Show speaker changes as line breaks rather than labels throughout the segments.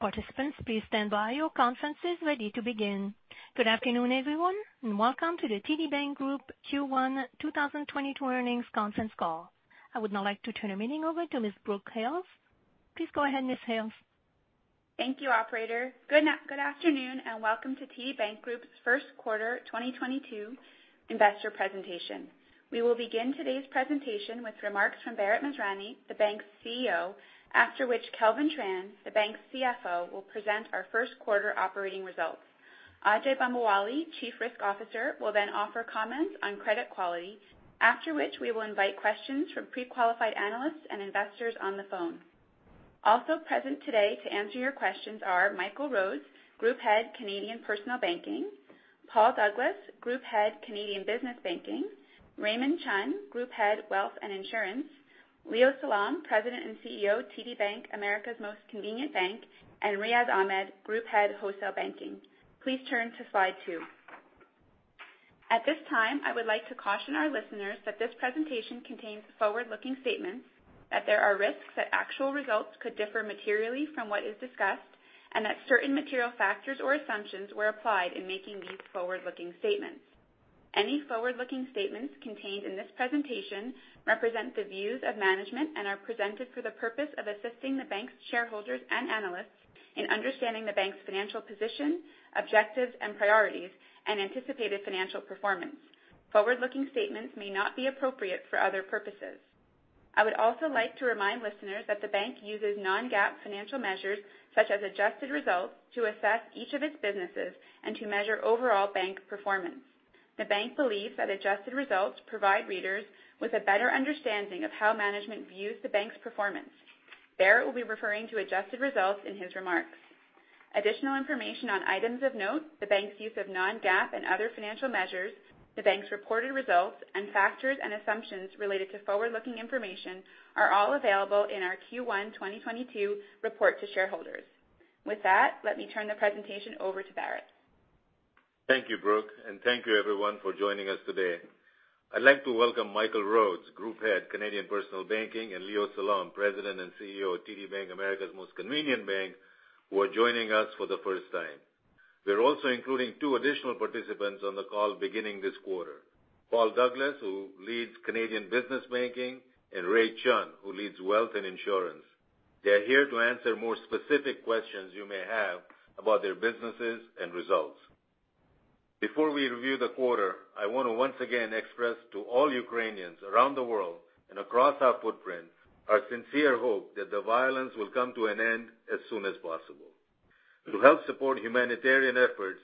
Good afternoon, everyone, and welcome to the TD Bank Group Q1 2022 Earnings Conference Call. I would now like to turn the meeting over to Ms. Brooke Hales. Please go ahead, Ms. Hales.
Thank you, operator. Good afternoon and welcome to TD Bank Group's first quarter 2022 investor presentation. We will begin today's presentation with remarks from Bharat Masrani, the bank's CEO, after which Kelvin Tran, the bank's CFO, will present our first quarter operating results. Ajai Bambawale, Chief Risk Officer, will then offer comments on credit quality. After which we will invite questions from pre-qualified analysts and investors on the phone. Also present today to answer your questions are Michael Rhodes, Group Head, Canadian Personal Banking, Paul Douglas, Group Head, Canadian Business Banking, Raymond Chun, Group Head, Wealth and Insurance, Leo Salom, President and CEO, TD Bank, America's Most Convenient Bank, and Riaz Ahmed, Group Head, Wholesale Banking. Please turn to slide two. At this time, I would like to caution our listeners that this presentation contains forward-looking statements, that there are risks that actual results could differ materially from what is discussed, and that certain material factors or assumptions were applied in making these forward-looking statements. Any forward-looking statements contained in this presentation represent the views of management and are presented for the purpose of assisting the bank's shareholders and analysts in understanding the bank's financial position, objectives and priorities and anticipated financial performance. Forward-looking statements may not be appropriate for other purposes. I would also like to remind listeners that the bank uses non-GAAP financial measures, such as adjusted results, to assess each of its businesses and to measure overall bank performance. The bank believes that adjusted results provide readers with a better understanding of how management views the bank's performance. Bharat Masrani will be referring to adjusted results in his remarks. Additional information on items of note, the bank's use of non-GAAP and other financial measures, the bank's reported results and factors and assumptions related to forward-looking information are all available in our Q1 2022 report to shareholders. With that, let me turn the presentation over to Bharat.
Thank you, Brooke, and thank you everyone for joining us today. I'd like to welcome Michael Rhodes, Group Head, Canadian Personal Banking, and Leo Salom, President and CEO of TD Bank, America's Most Convenient Bank, who are joining us for the first time. We're also including two additional participants on the call beginning this quarter. Paul Douglas, who leads Canadian Business Banking, and Ray Chun, who leads Wealth and Insurance. They are here to answer more specific questions you may have about their businesses and results. Before we review the quarter, I want to once again express to all Ukrainians around the world and across our footprint our sincere hope that the violence will come to an end as soon as possible. To help support humanitarian efforts,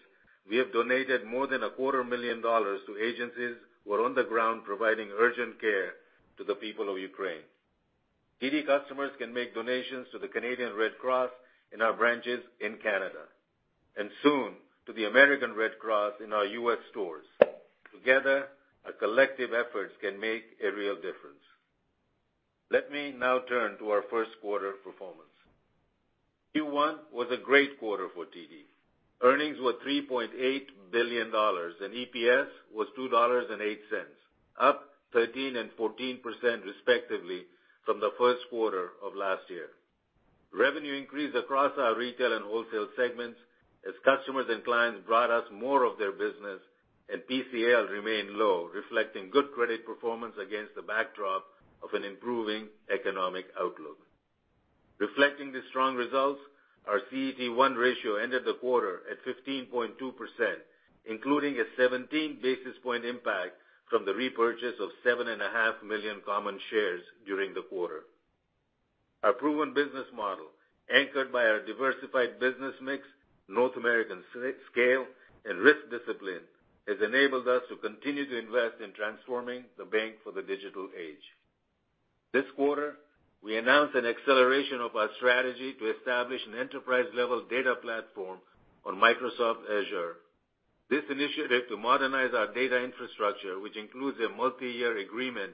we have donated more than a quarter million CAD to agencies who are on the ground providing urgent care to the people of Ukraine. TD customers can make donations to the Canadian Red Cross in our branches in Canada, and soon to the American Red Cross in our U.S. stores. Together, our collective efforts can make a real difference. Let me now turn to our first quarter performance. Q1 was a great quarter for TD. Earnings were 3.8 billion dollars and EPS was 2.08 dollars, up 13% and 14% respectively from the first quarter of last year. Revenue increased across our retail and wholesale segments as customers and clients brought us more of their business and PCL remained low, reflecting good credit performance against the backdrop of an improving economic outlook. Reflecting the strong results, our CET1 ratio ended the quarter at 15.2%, including a 17 basis point impact from the repurchase of 7.5 million common shares during the quarter. Our proven business model, anchored by our diversified business mix, North American scale and risk discipline, has enabled us to continue to invest in transforming the bank for the digital age. This quarter, we announced an acceleration of our strategy to establish an enterprise-level data platform on Microsoft Azure. This initiative to modernize our data infrastructure, which includes a multi-year agreement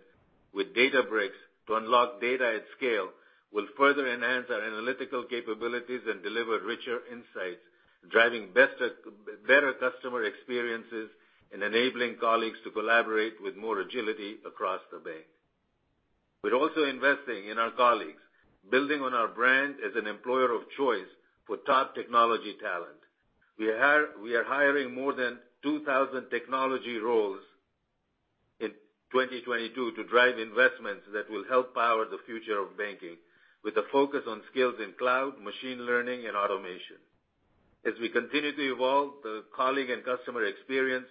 with Databricks to unlock data at scale, will further enhance our analytical capabilities and deliver richer insights, driving better customer experiences and enabling colleagues to collaborate with more agility across the bank. We're also investing in our colleagues, building on our brand as an employer of choice for top technology talent. We are hiring more than 2,000 technology roles in 2022 to drive investments that will help power the future of banking, with a focus on skills in cloud, machine learning and automation. As we continue to evolve the colleague and customer experience,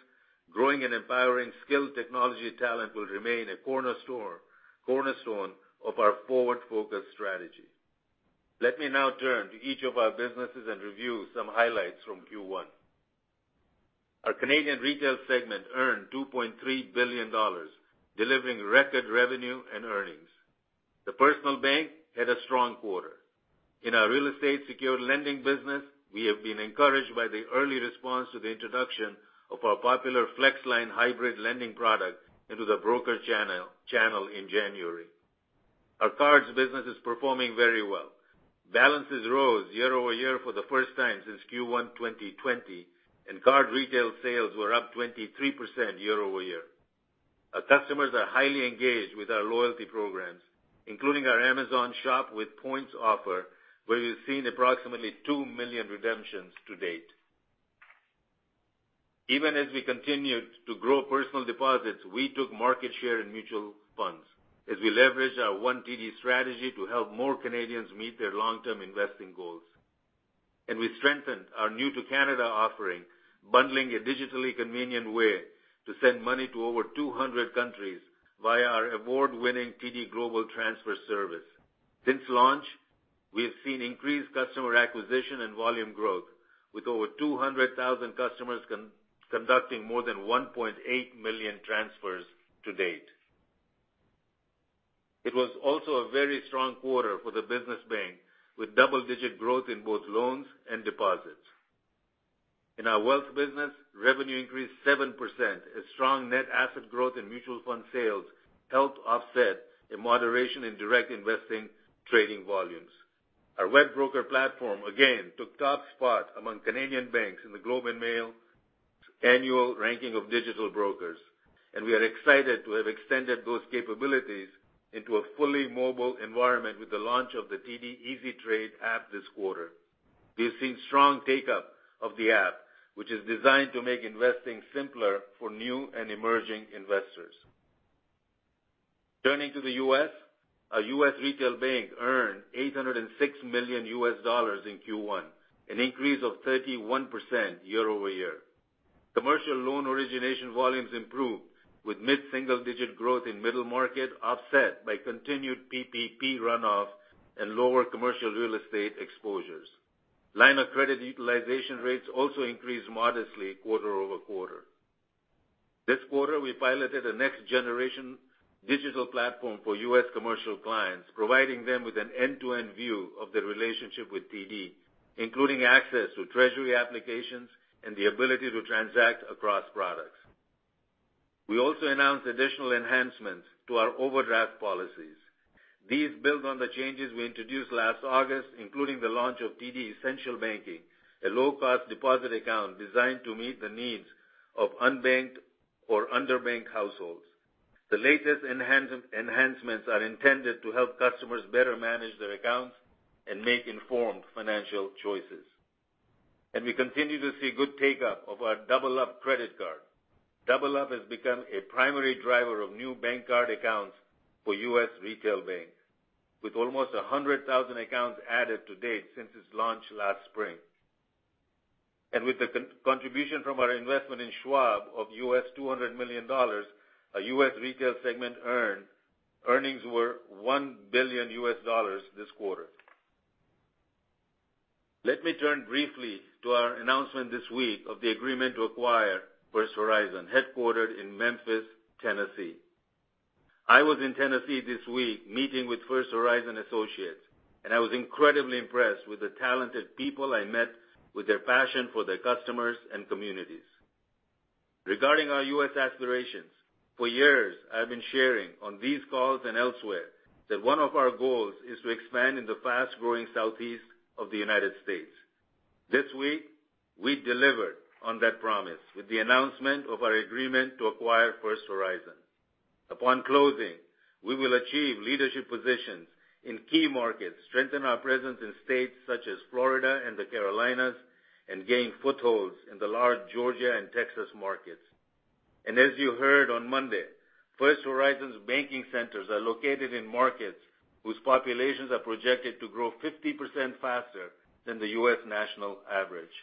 growing and empowering skilled technology talent will remain a cornerstone of our forward-focused strategy. Let me now turn to each of our businesses and review some highlights from Q1. Our Canadian retail segment earned 2.3 billion dollars, delivering record revenue and earnings. The personal bank had a strong quarter. In our real estate secured lending business, we have been encouraged by the early response to the introduction of our popular FlexLine hybrid lending product into the broker channel in January. Our cards business is performing very well. Balances rose year-over-year for the first time since Q1 2020, and card retail sales were up 23% year-over-year. Our customers are highly engaged with our loyalty programs, including our Amazon Shop with Points offer, where we've seen approximately 2 million redemptions to date. Even as we continued to grow personal deposits, we took market share in mutual funds as we leveraged our one TD strategy to help more Canadians meet their long-term investing goals. We strengthened our new-to-Canada offering, bundling a digitally convenient way to send money to over 200 countries via our award-winning TD Global Transfer service. Since launch, we have seen increased customer acquisition and volume growth, with over 200,000 customers conducting more than 1.8 million transfers to date. It was also a very strong quarter for the business bank, with double-digit growth in both loans and deposits. In our wealth business, revenue increased 7% as strong net asset growth in mutual fund sales helped offset a moderation in direct investing trading volumes. Our web broker platform again took top spot among Canadian banks in The Globe and Mail annual ranking of digital brokers, and we are excited to have extended those capabilities into a fully mobile environment with the launch of the TD Easy Trade app this quarter. We have seen strong take-up of the app, which is designed to make investing simpler for new and emerging investors. Turning to the U.S, our U.S. Retail Bank earned $806 million in Q1, an increase of 31% year-over-year. Commercial loan origination volumes improved with mid-single-digit growth in middle market offset by continued PPP runoff and lower commercial real estate exposures. Line of credit utilization rates also increased modestly quarter-over-quarter. This quarter, we piloted a next-generation digital platform for U.S. commercial clients, providing them with an end-to-end view of their relationship with TD, including access to treasury applications and the ability to transact across products. We also announced additional enhancements to our overdraft policies. These build on the changes we introduced last August, including the launch of TD Essential Banking, a low-cost deposit account designed to meet the needs of unbanked or underbanked households. The latest enhancements are intended to help customers better manage their accounts and make informed financial choices. We continue to see good take-up of our Double Up credit card. Double Up has become a primary driver of new bank card accounts for U.S. Retail, with almost 100,000 accounts added to date since its launch last spring. With the contribution from our investment in Schwab of $200 million, our U.S. Retail segment earnings were $1 billion this quarter. Let me turn briefly to our announcement this week of the agreement to acquire First Horizon, headquartered in Memphis, Tennessee. I was in Tennessee this week meeting with First Horizon associates, and I was incredibly impressed with the talented people I met with their passion for their customers and communities. Regarding our U.S. aspirations, for years, I've been sharing on these calls and elsewhere that one of our goals is to expand in the fast-growing Southeast of the United States. This week, we delivered on that promise with the announcement of our agreement to acquire First Horizon. Upon closing, we will achieve leadership positions in key markets, strengthen our presence in states such as Florida and the Carolinas, and gain footholds in the large Georgia and Texas markets. As you heard on Monday, First Horizon's banking centers are located in markets whose populations are projected to grow 50% faster than the U.S. national average.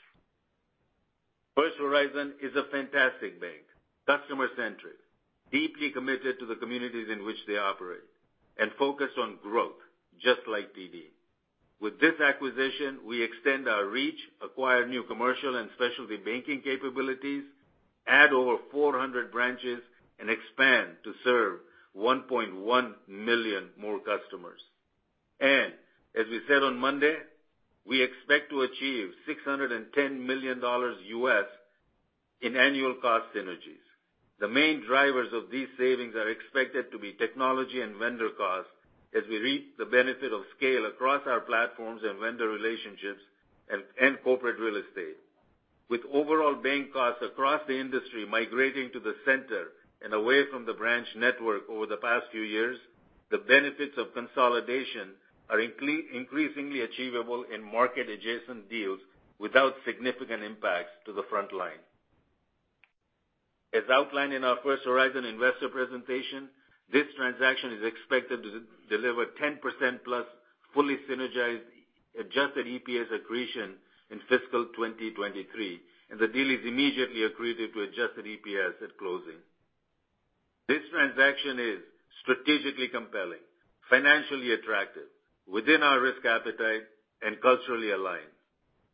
First Horizon is a fantastic bank, customer-centric, deeply committed to the communities in which they operate, and focused on growth, just like TD. With this acquisition, we extend our reach, acquire new commercial and specialty banking capabilities, add over 400 branches, and expand to serve 1.1 million more customers. As we said on Monday, we expect to achieve $610 million in annual cost synergies. The main drivers of these savings are expected to be technology and vendor costs as we reap the benefit of scale across our platforms and vendor relationships and corporate real estate. With overall bank costs across the industry migrating to the center and away from the branch network over the past few years, the benefits of consolidation are increasingly achievable in market-adjacent deals without significant impacts to the front line. As outlined in our First Horizon investor presentation, this transaction is expected to deliver 10%+ fully synergized adjusted EPS accretion in fiscal 2023, and the deal is immediately accretive to adjusted EPS at closing. This transaction is strategically compelling, financially attractive, within our risk appetite, and culturally aligned.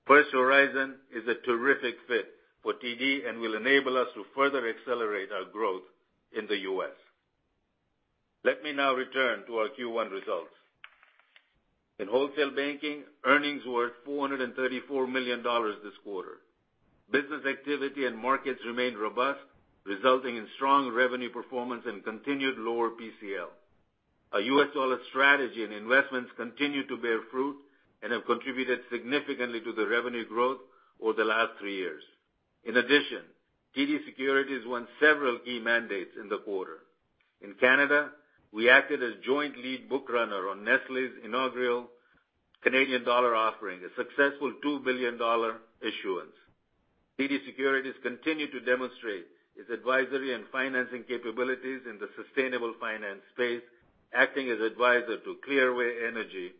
First Horizon is a terrific fit for TD and will enable us to further accelerate our growth in the U.S. Let me now return to our Q1 results. In wholesale banking, earnings were 434 million dollars this quarter. Business activity and markets remained robust, resulting in strong revenue performance and continued lower PCL. Our US dollar strategy and investments continue to bear fruit and have contributed significantly to the revenue growth over the last three years. In addition, TD Securities won several key mandates in the quarter. In Canada, we acted as joint lead book runner on Nestlé's inaugural Canadian dollar offering, a successful 2 billion dollar issuance. TD Securities continued to demonstrate its advisory and financing capabilities in the sustainable finance space, acting as advisor to Clearway Energy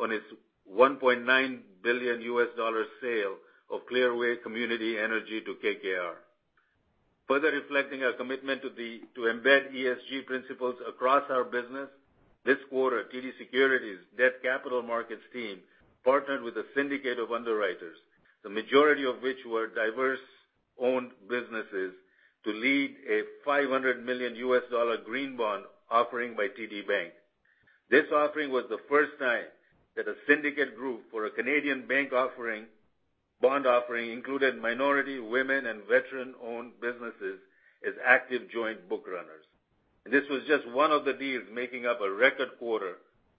on its $1.9 billion U.S. dollar sale of Clearway Community Energy to KKR. Further reflecting our commitment to embed ESG principles across our business, this quarter, TD Securities' debt capital markets team partnered with a syndicate of underwriters, the majority of which were diverse-owned businesses, to lead a $500 million green bond offering by TD Bank. This offering was the first time that a syndicate group for a Canadian bank bond offering included minority women and veteran-owned businesses as active joint book runners. This was just one of the deals making up a record quarter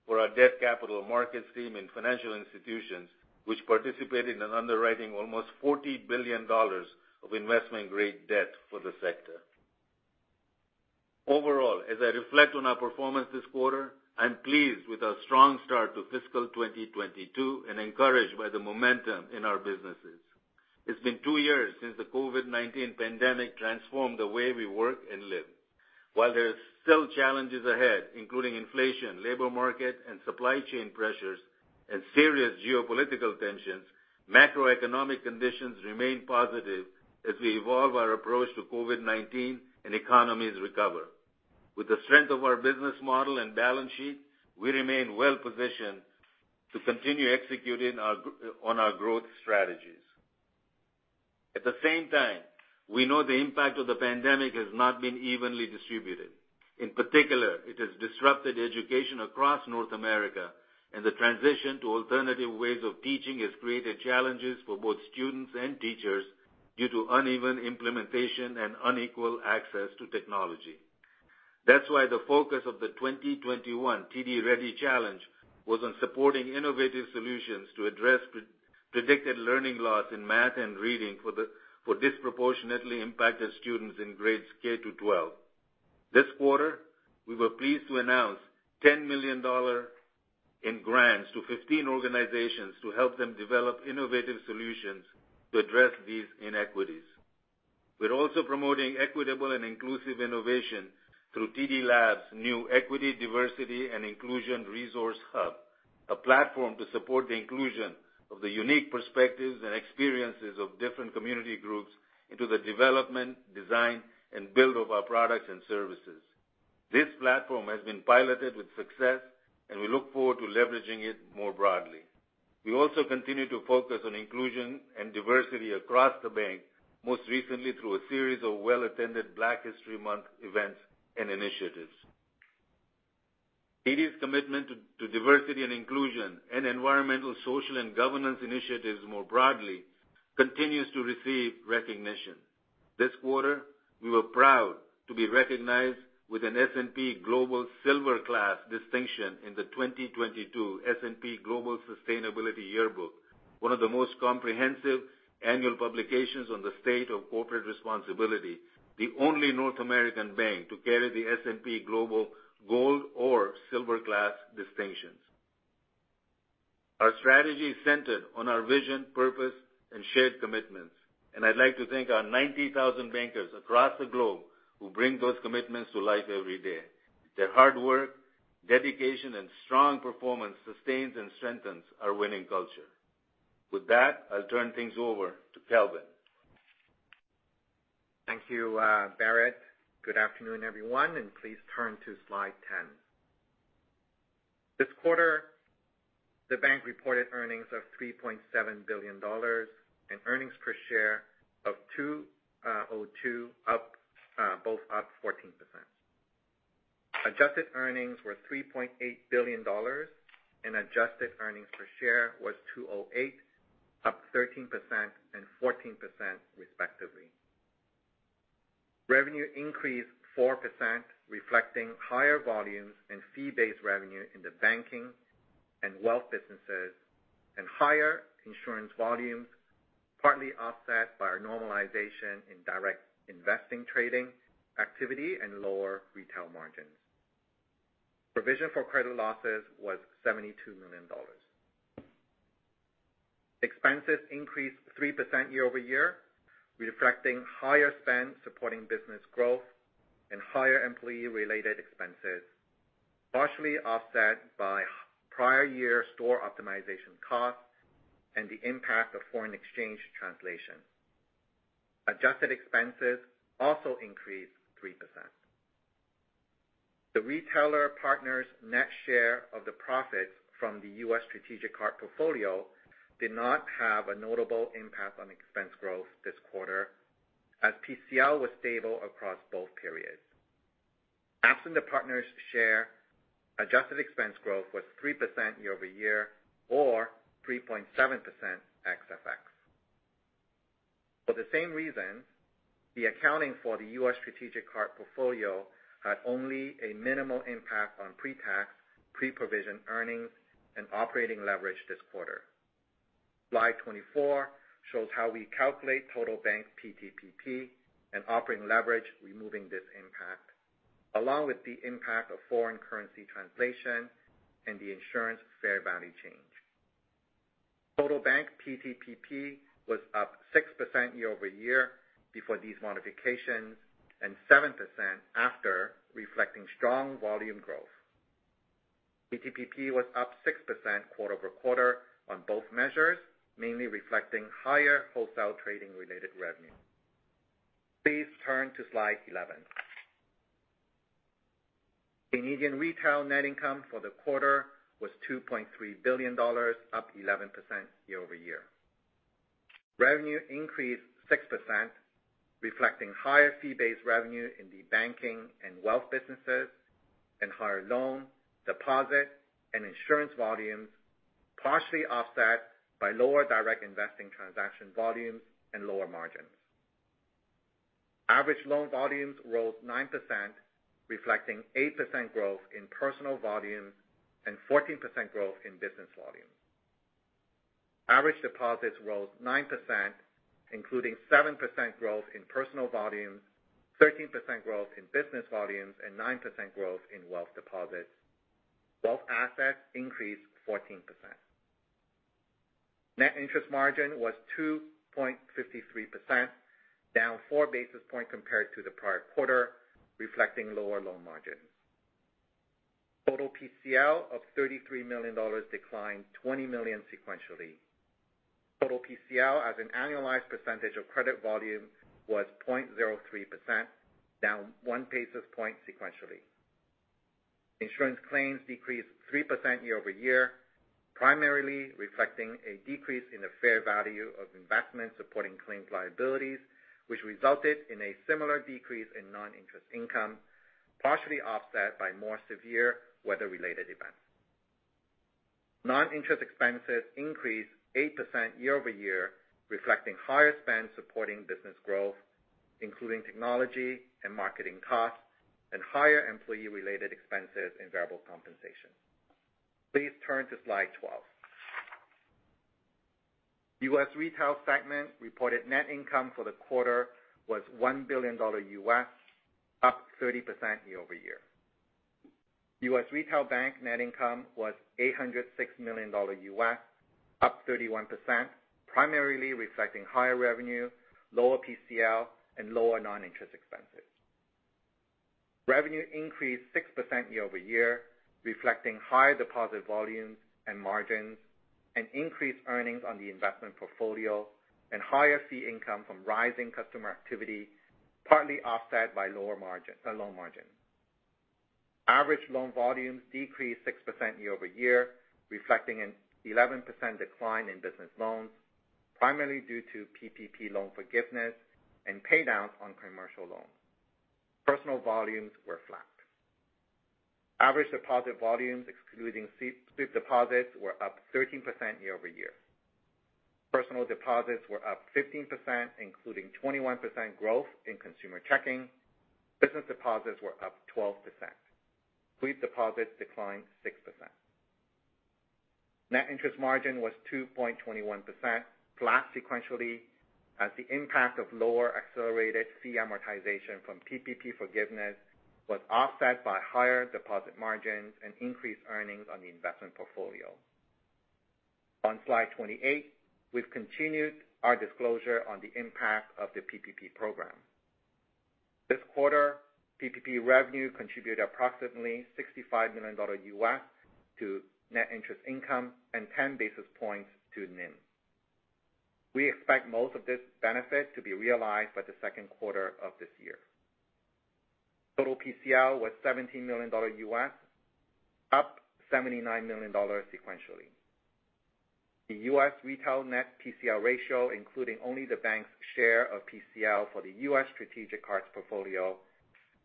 for our debt capital markets team in financial institutions, which participated in underwriting almost $40 billion of investment-grade debt for the sector. Overall, as I reflect on our performance this quarter, I'm pleased with our strong start to fiscal 2022 and encouraged by the momentum in our businesses. It's been two years since the COVID-19 pandemic transformed the way we work and live. While there are still challenges ahead, including inflation, labor market, and supply chain pressures and serious geopolitical tensions, macroeconomic conditions remain positive as we evolve our approach to COVID-19 and economies recover. With the strength of our business model and balance sheet, we remain well-positioned to continue executing our growth strategies. At the same time, we know the impact of the pandemic has not been evenly distributed. In particular, it has disrupted education across North America, and the transition to alternative ways of teaching has created challenges for both students and teachers due to uneven implementation and unequal access to technology. That's why the focus of the 2021 TD Ready Challenge was on supporting innovative solutions to address predicted learning loss in math and reading for disproportionately impacted students in grades K to 12. This quarter, we were pleased to announce 10 million dollar in grants to 15 organizations to help them develop innovative solutions to address these inequities. We're also promoting equitable and inclusive innovation through TD Lab's new equity, diversity, and inclusion resource hub, a platform to support the inclusion of the unique perspectives and experiences of different community groups into the development, design, and build of our products and services. This platform has been piloted with success, and we look forward to leveraging it more broadly. We also continue to focus on inclusion and diversity across the bank, most recently through a series of well-attended Black History Month events and initiatives. TD's commitment to diversity and inclusion and environmental, social, and governance initiatives more broadly continues to receive recognition. This quarter, we were proud to be recognized with an S&P Global Silver Class distinction in the 2022 S&P Global Sustainability Yearbook, one of the most comprehensive annual publications on the state of corporate responsibility, the only North American bank to carry the S&P Global Gold or Silver Class distinctions. Our strategy is centered on our vision, purpose, and shared commitments, and I'd like to thank our 90,000 bankers across the globe who bring those commitments to life every day. Their hard work, dedication, and strong performance sustains and strengthens our winning culture. With that, I'll turn things over to Kelvin.
Thank you, Bharat. Good afternoon, everyone, and please turn to slide 10. This quarter, the bank reported earnings of 3.7 billion dollars and earnings per share of 2.02, both up 14%. Adjusted earnings were 3.8 billion dollars, and adjusted earnings per share was 2.08, up 13% and 14% respectively. Revenue increased 4%, reflecting higher volumes in fee-based revenue in the banking and wealth businesses and higher insurance volumes, partly offset by our normalization in direct investing trading activity and lower retail margins. Provision for credit losses was 72 million dollars. Expenses increased 3% year-over-year, reflecting higher spend supporting business growth and higher employee-related expenses, partially offset by prior year store optimization costs and the impact of foreign exchange translation. Adjusted expenses also increased 3%. The retailer partners' net share of the profits from the U.S. strategic card portfolio did not have a notable impact on expense growth this quarter, as PCL was stable across both periods. Absent the partners' share, adjusted expense growth was 3% year-over-year or 3.7%. For the same reason, the accounting for the U.S. strategic card portfolio had only a minimal impact on pre-tax, pre-provision earnings and operating leverage this quarter. Slide 24 shows how we calculate total bank PTPP and operating leverage removing this impact, along with the impact of foreign currency translation and the insurance fair value change. Total bank PTPP was up 6% year-over-year before these modifications, and 7% after reflecting strong volume growth. PTPP was up 6% quarter-over-quarter on both measures, mainly reflecting higher wholesale trading-related revenue. Please turn to slide 11. Canadian retail net income for the quarter was 2.3 billion dollars, up 11% year-over-year. Revenue increased 6%, reflecting higher fee-based revenue in the banking and wealth businesses, and higher loan, deposit, and insurance volumes, partially offset by lower direct investing transaction volumes and lower margins. Average loan volumes rose 9%, reflecting 8% growth in personal volumes and 14% growth in business volumes. Average deposits rose 9%, including 7% growth in personal volumes, 13% growth in business volumes, and 9% growth in wealth deposits. Wealth assets increased 14%. Net interest margin was 2.53%, down 4 basis points compared to the prior quarter, reflecting lower loan margins. Total PCL of 33 million dollars declined 20 million sequentially. Total PCL as an annualized percentage of credit volume was 0.03%, down 1 basis point sequentially. Insurance claims decreased 3% year-over-year, primarily reflecting a decrease in the fair value of investments supporting claims liabilities, which resulted in a similar decrease in non-interest income, partially offset by more severe weather-related events. Non-interest expenses increased 8% year-over-year, reflecting higher spend supporting business growth, including technology and marketing costs, and higher employee-related expenses and variable compensation. Please turn to slide 12. U.S. Retail segment reported net income for the quarter was $1 billion, up 30% year-over-year. U.S. Retail bank net income was $806 million, up 31%, primarily reflecting higher revenue, lower PCL, and lower non-interest expenses. Revenue increased 6% year-over-year, reflecting higher deposit volumes and margins, and increased earnings on the investment portfolio, and higher fee income from rising customer activity, partly offset by lower margin, loan margin. Average loan volumes decreased 6% year-over-year, reflecting an 11% decline in business loans, primarily due to PPP loan forgiveness and pay downs on commercial loans. Personal volumes were flat. Average deposit volumes, excluding C-sweep deposits, were up 13% year-over-year. Personal deposits were up 15%, including 21% growth in consumer checking. Business deposits were up 12%. Sweep deposits declined 6%. Net interest margin was 2.21%, flat sequentially, as the impact of lower accelerated fee amortization from PPP forgiveness was offset by higher deposit margins and increased earnings on the investment portfolio. On slide 28, we've continued our disclosure on the impact of the PPP program. This quarter, PPP revenue contributed approximately $65 million to net interest income and 10 basis points to NIM. We expect most of this benefit to be realized by the second quarter of this year. Total PCL was $17 million, up $79 million sequentially. The U.S. retail net PCL ratio, including only the bank's share of PCL for the U.S. strategic cards portfolio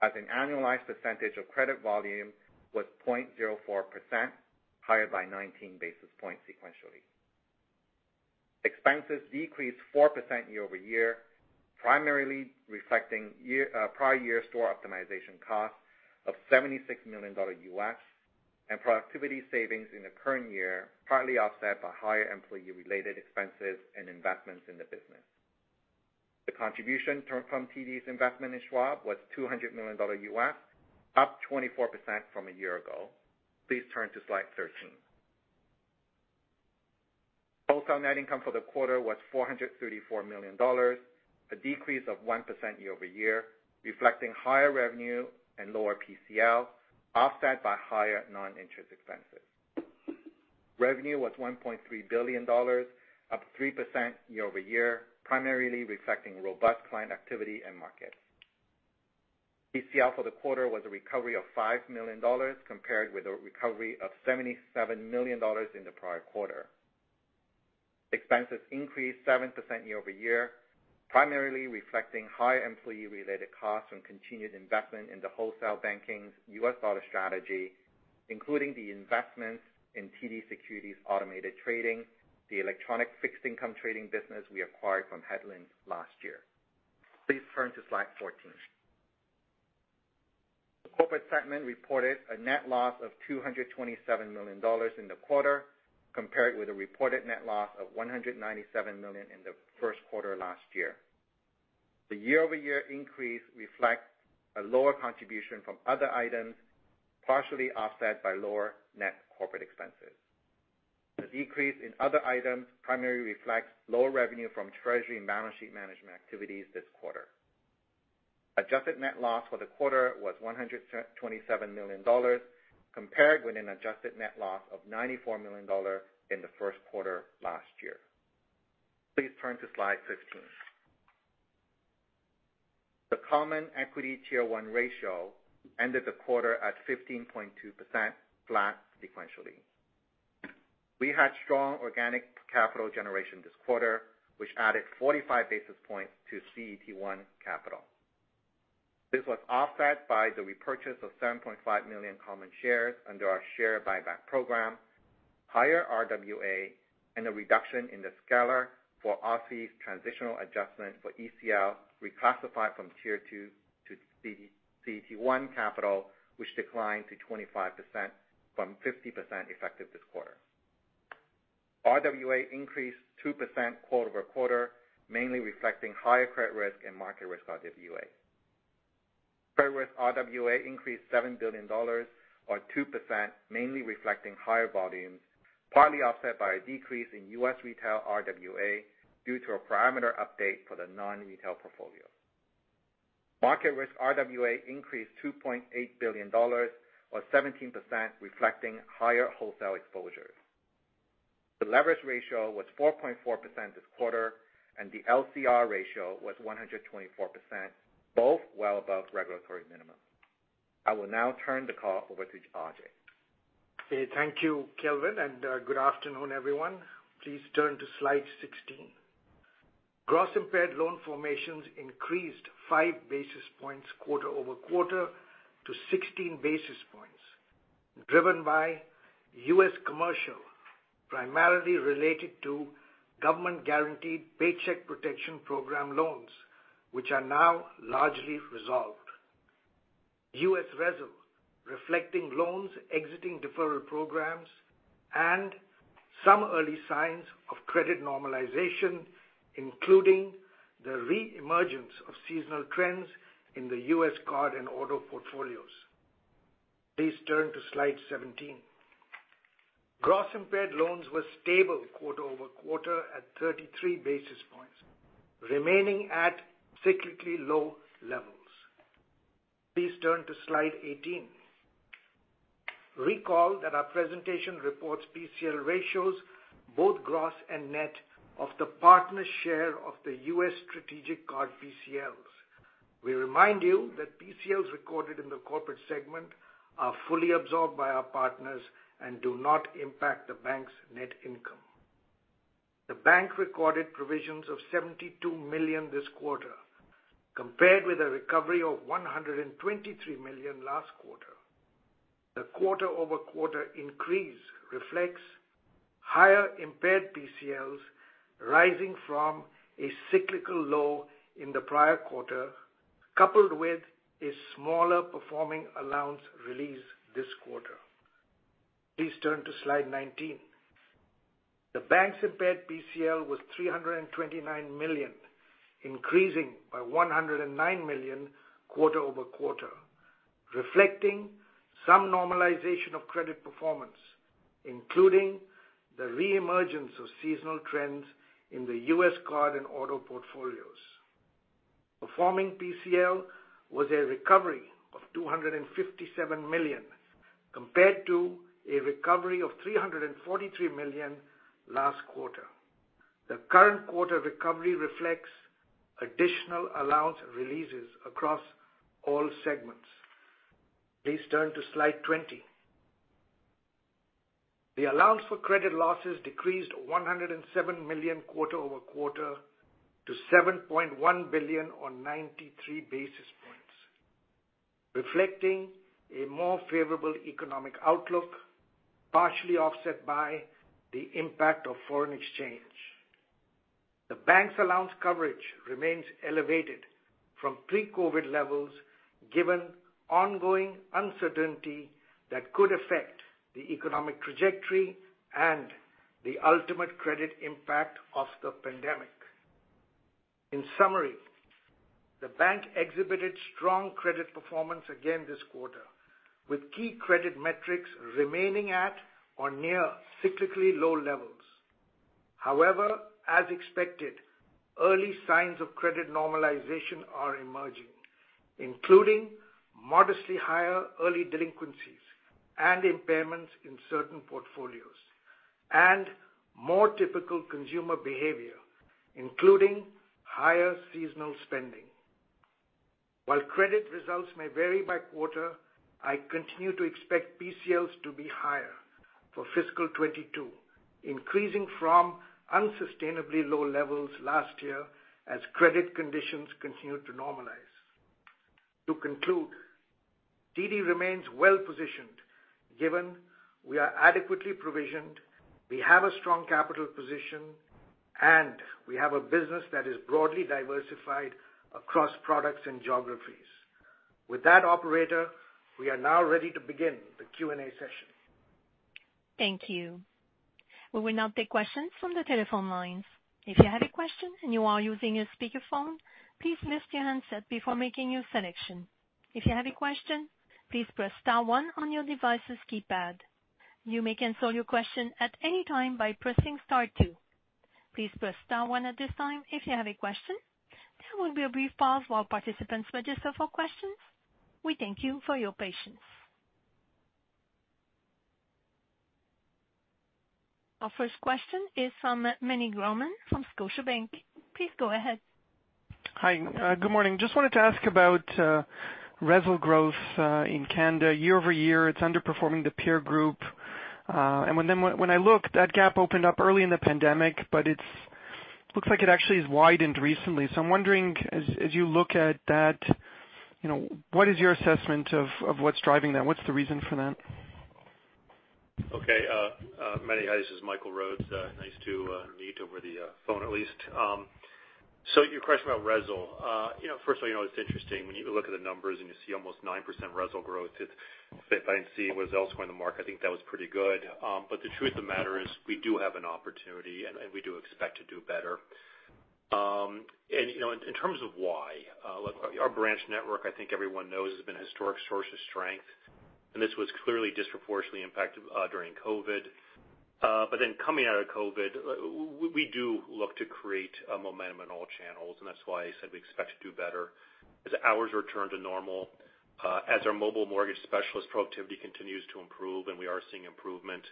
as an annualized percentage of credit volume, was 0.04%, higher by 19 basis points sequentially. Expenses decreased 4% year-over-year, primarily reflecting prior year store optimization costs of $76 million and productivity savings in the current year, partly offset by higher employee-related expenses and investments in the business. The contribution from TD's investment in Schwab was $200 million, up 24% from a year ago. Please turn to slide 13. Wholesale net income for the quarter was 434 million dollars, a decrease of 1% year-over-year, reflecting higher revenue and lower PCL, offset by higher non-interest expenses. Revenue was 1.3 billion dollars, up 3% year-over-year, primarily reflecting robust client activity and markets. PCL for the quarter was a recovery of 5 million dollars compared with a recovery of 77 million dollars in the prior quarter. Expenses increased 7% year-over-year, primarily reflecting high employee related costs and continued investment in the wholesale banking U.S. dollar strategy, including the investments in TD Securities automated trading, the electronic fixed income trading business we acquired from Headlands last year. Please turn to slide 14. The corporate segment reported a net loss of 227 million dollars in the quarter, compared with a reported net loss of 197 million in the first quarter last year. The year-over-year increase reflects a lower contribution from other items, partially offset by lower net corporate expenses. The decrease in other items primarily reflects lower revenue from treasury and balance sheet management activities this quarter. Adjusted net loss for the quarter was 127 million dollars, compared with an adjusted net loss of 94 million dollars in the first quarter last year. Please turn to slide 15. The common equity tier one ratio ended the quarter at 15.2%, flat sequentially. We had strong organic capital generation this quarter, which added 45 basis points to CET1 capital. This was offset by the repurchase of 7.5 million common shares under our share buyback program, higher RWA, and a reduction in the scalar for OSFI's transitional adjustment for ECL reclassified from tier two to C-CET1 capital, which declined to 25% from 50% effective this quarter. RWA increased 2% quarter-over-quarter, mainly reflecting higher credit risk and market risk RWA. RWA increased 7 billion dollars or 2%, mainly reflecting higher volumes, partly offset by a decrease in U.S. Retail RWA due to a parameter update for the non-retail portfolio. Market risk RWA increased 2.8 billion dollars or 17%, reflecting higher wholesale exposures. The leverage ratio was 4.4% this quarter, and the LCR ratio was 124%, both well above regulatory minimums. I will now turn the call over to Ajai.
Thank you, Kelvin, and good afternoon, everyone. Please turn to slide 16. Gross impaired loan formations increased 5 basis points quarter-over-quarter to 16 basis points, driven by U.S. commercial, primarily related to government-guaranteed Paycheck Protection Program loans, which are now largely resolved, and U.S. Retail, reflecting loans exiting deferral programs and some early signs of credit normalization, including the re-emergence of seasonal trends in the U.S. card and auto portfolios. Please turn to slide 17. Gross impaired loans were stable quarter-over-quarter at 33 basis points, remaining at cyclically low levels. Please turn to slide 18. Recall that our presentation reports PCL ratios both gross and net of the partner share of the U.S. strategic card PCLs. We remind you that PCLs recorded in the corporate segment are fully absorbed by our partners and do not impact the bank's net income. The bank recorded provisions of 72 million this quarter, compared with a recovery of 123 million last quarter. The quarter-over-quarter increase reflects higher impaired PCLs rising from a cyclical low in the prior quarter, coupled with a smaller performing allowance release this quarter. Please turn to slide 19. The bank's impaired PCL was 329 million, increasing by 109 million quarter over quarter, reflecting some normalization of credit performance, including the re-emergence of seasonal trends in the U.S. card and auto portfolios. Performing PCL was a recovery of 257 million, compared to a recovery of 343 million last quarter. The current quarter recovery reflects additional allowance releases across all segments. Please turn to slide 20. The allowance for credit losses decreased 107 million quarter-over-quarter to 7.1 billion on 93 basis points, reflecting a more favorable economic outlook, partially offset by the impact of foreign exchange. The bank's allowance coverage remains elevated from pre-COVID levels given ongoing uncertainty that could affect the economic trajectory and the ultimate credit impact of the pandemic. In summary, the bank exhibited strong credit performance again this quarter, with key credit metrics remaining at or near cyclically low levels. However, as expected, early signs of credit normalization are emerging, including modestly higher early delinquencies and impairments in certain portfolios and more typical consumer behavior, including higher seasonal spending. While credit results may vary by quarter, I continue to expect PCLs to be higher for fiscal 2022, increasing from unsustainably low levels last year as credit conditions continue to normalize. To conclude, TD remains well positioned given we are adequately provisioned, we have a strong capital position, and we have a business that is broadly diversified across products and geographies. With that operator, we are now ready to begin the Q&A session.
Thank you. We will now take questions from the telephone lines. If you have a question and you are using a speakerphone, please mute your handset before making your selection. If you have a question, please press star one on your device's keypad. You may cancel your question at any time by pressing star two. Please press star one at this time if you have a question. There will be a brief pause while participants register for questions. We thank you for your patience. Our first question is from Meny Grauman from Scotiabank. Please go ahead.
Hi. Good morning. Just wanted to ask about RESL growth in Canada year-over-year. It's underperforming the peer group. When I look, that gap opened up early in the pandemic, but it looks like it actually has widened recently. I'm wondering, as you look at that, you know, what is your assessment of what's driving that? What's the reason for that?
Manny, hi, this is Michael Rhodes. Nice to meet over the phone at least. So your question about RESL. You know, first of all, you know, it's interesting when you look at the numbers and you see almost 9% RESL growth; it, as we saw, was elsewhere in the market, I think that was pretty good. The truth of the matter is we do have an opportunity and we do expect to do better. You know, in terms of why, our branch network, I think everyone knows has been a historic source of strength, and this was clearly disproportionately impacted during COVID. Coming out of COVID, we do look to create a momentum in all channels, and that's why I said we expect to do better as hours return to normal, as our mobile mortgage specialist productivity continues to improve, and we are seeing improvement.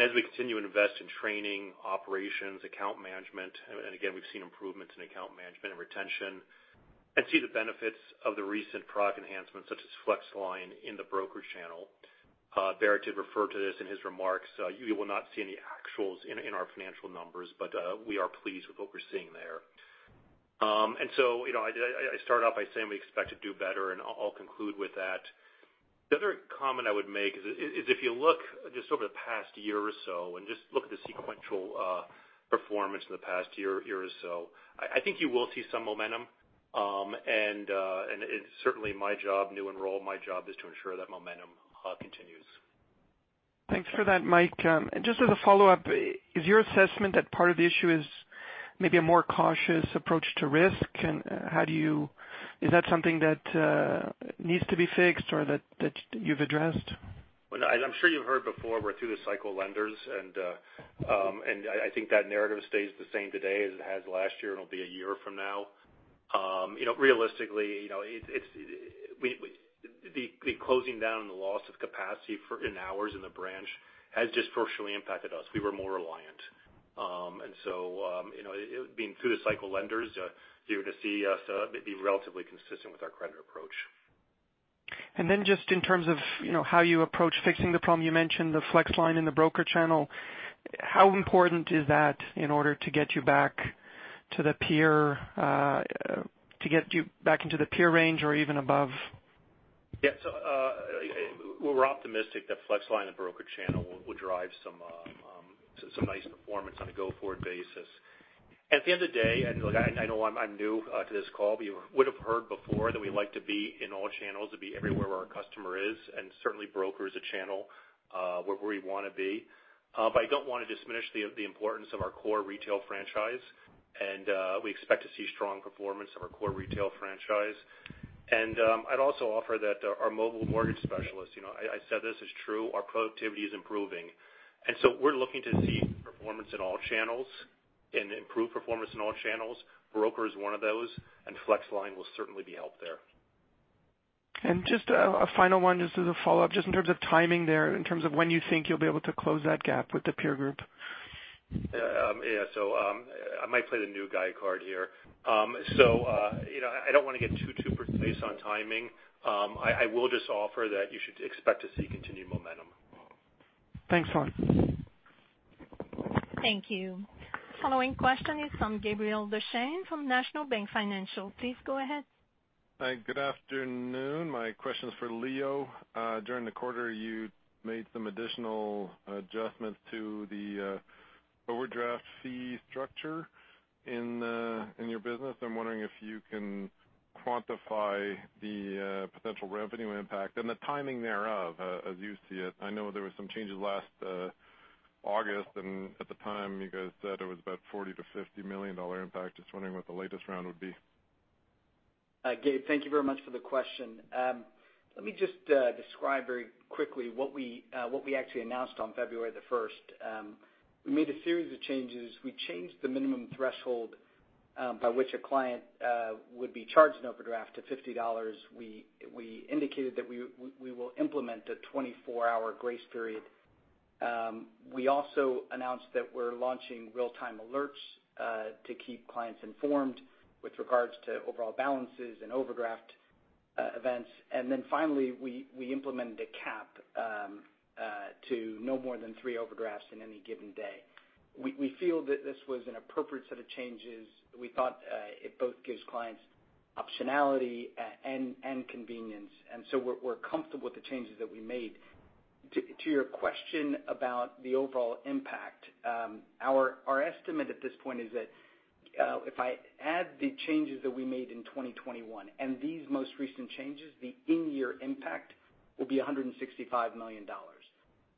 As we continue to invest in training, operations, account management, and again, we've seen improvements in account management and retention and see the benefits of the recent product enhancements such as FlexLine in the broker channel. Bharat did refer to this in his remarks. You will not see any actuals in our financial numbers, but we are pleased with what we're seeing there. You know, I start off by saying we expect to do better, and I'll conclude with that. The other comment I would make is if you look just over the past year or so and just look at the sequential performance in the past year or so, I think you will see some momentum. It's certainly my job, in my role, my job is to ensure that momentum continues.
Thanks for that, Mike. Just as a follow-up, is your assessment that part of the issue is maybe a more cautious approach to risk? Is that something that needs to be fixed or that you've addressed?
Well, I'm sure you've heard before, we're through the cycle lenders, and I think that narrative stays the same today as it has last year and will be a year from now. You know, realistically, you know, it's the closing down and the loss of capacity in hours in the branch has disproportionately impacted us. We were more reliant. You know, being through the cycle lenders, you're going to see us be relatively consistent with our credit approach.
Just in terms of, you know, how you approach fixing the problem, you mentioned the Flex Line in the broker channel. How important is that in order to get you back to the peer, to get you back into the peer range or even above?
Yeah. We're optimistic that FlexLine and broker channel will drive some nice performance on a go-forward basis. At the end of the day, and look, I know I'm new to this call, but you would've heard before that we like to be in all channels and be everywhere where our customer is, and certainly broker is a channel where we wanna be. I don't wanna diminish the importance of our core retail franchise and we expect to see strong performance of our core retail franchise. I'd also offer that our mobile mortgage specialist, you know, I said this is true. Our productivity is improving, and so we're looking to see performance in all channels and improve performance in all channels. Broker is one of those, and FlexLine will certainly be a help there.
Just a final one, just as a follow-up, just in terms of timing there, in terms of when you think you'll be able to close that gap with the peer group?
I might play the new guy card here. You know, I don't wanna get too precise on timing. I will just offer that you should expect to see continued momentum.
Thanks a lot.
Thank you. Following question is from Gabriel Dechaine from National Bank Financial. Please go ahead.
Hi, good afternoon. My question is for Leo. During the quarter, you made some additional adjustments to the overdraft fee structure in your business. I'm wondering if you can quantify the potential revenue impact and the timing thereof, as you see it. I know there were some changes last August, and at the time you guys said it was about 40 million-50 million dollar impact. Just wondering what the latest round would be.
Gabe, thank you very much for the question. Let me just describe very quickly what we actually announced on February 1. We made a series of changes. We changed the minimum threshold by which a client would be charged an overdraft to 50 dollars. We indicated that we will implement a 24-hour grace period. We also announced that we're launching real-time alerts to keep clients informed with regards to overall balances and overdraft events. Finally, we implemented a cap to no more than three overdrafts in any given day. We feel that this was an appropriate set of changes. We thought it both gives clients optionality and convenience. We're comfortable with the changes that we made. To your question about the overall impact, our estimate at this point is that if I add the changes that we made in 2021 and these most recent changes, the in-year impact will be $165 million.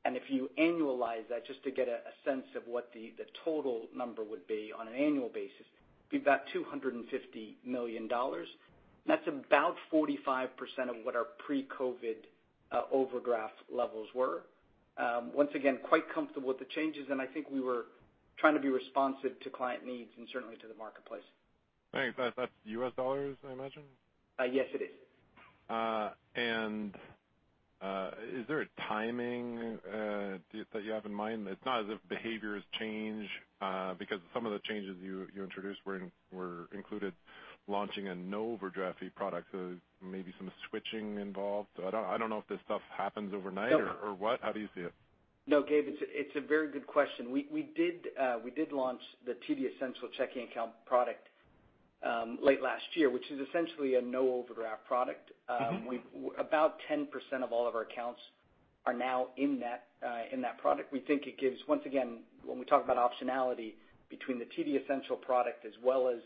If you annualize that just to get a sense of what the total number would be on an annual basis, it'd be about $250 million. That's about 45% of what our pre-COVID overdraft levels were. Once again, quite comfortable with the changes, and I think we were trying to be responsive to client needs and certainly to the marketplace.
Thanks. That's U.S. dollars, I imagine?
Yes, it is.
Is there a timing that you have in mind? It's not as if behaviors change because some of the changes you introduced were included launching a no-overdraft fee product, so maybe some switching involved. I don't know if this stuff happens overnight or what. How do you see it?
No, Gabe, it's a very good question. We did launch the TD Essential checking account product late last year, which is essentially a no-overdraft product. W About 10% of all of our accounts are now in that product. We think it gives, once again, when we talk about optionality between the TD Essential product as well as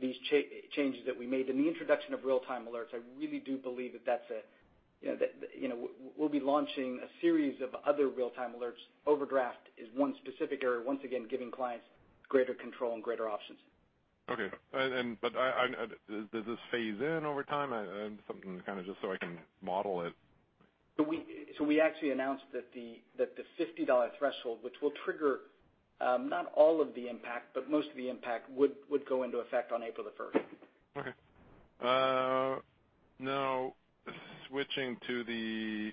these changes that we made and the introduction of real-time alerts, I really do believe that that's a, you know, that we'll be launching a series of other real-time alerts. Overdraft is one specific area, once again, giving clients greater control and greater options.
Okay. Does this phase in over time? Something kind of just so I can model it.
We actually announced that the 50-dollar threshold, which will trigger not all of the impact, but most of the impact would go into effect on April 1.
Okay.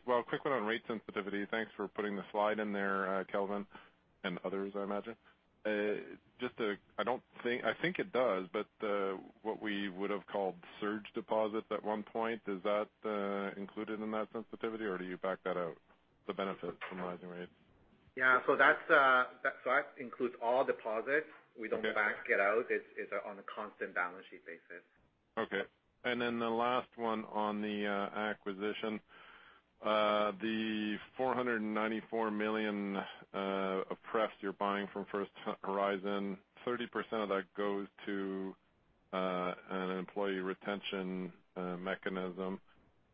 Well, quick one on rate sensitivity. Thanks for putting the slide in there, Kelvin and others, I imagine. I think it does, but what we would've called surge deposits at one point, is that included in that sensitivity, or do you back that out, the benefit from rising rates?
Yeah. That's that slide includes all deposits.
Okay.
We don't back it out. It's on a constant balance sheet basis.
Okay. The last one on the acquisition. The 494 million of pref you're buying from First Horizon, 30% of that goes to an employee retention mechanism,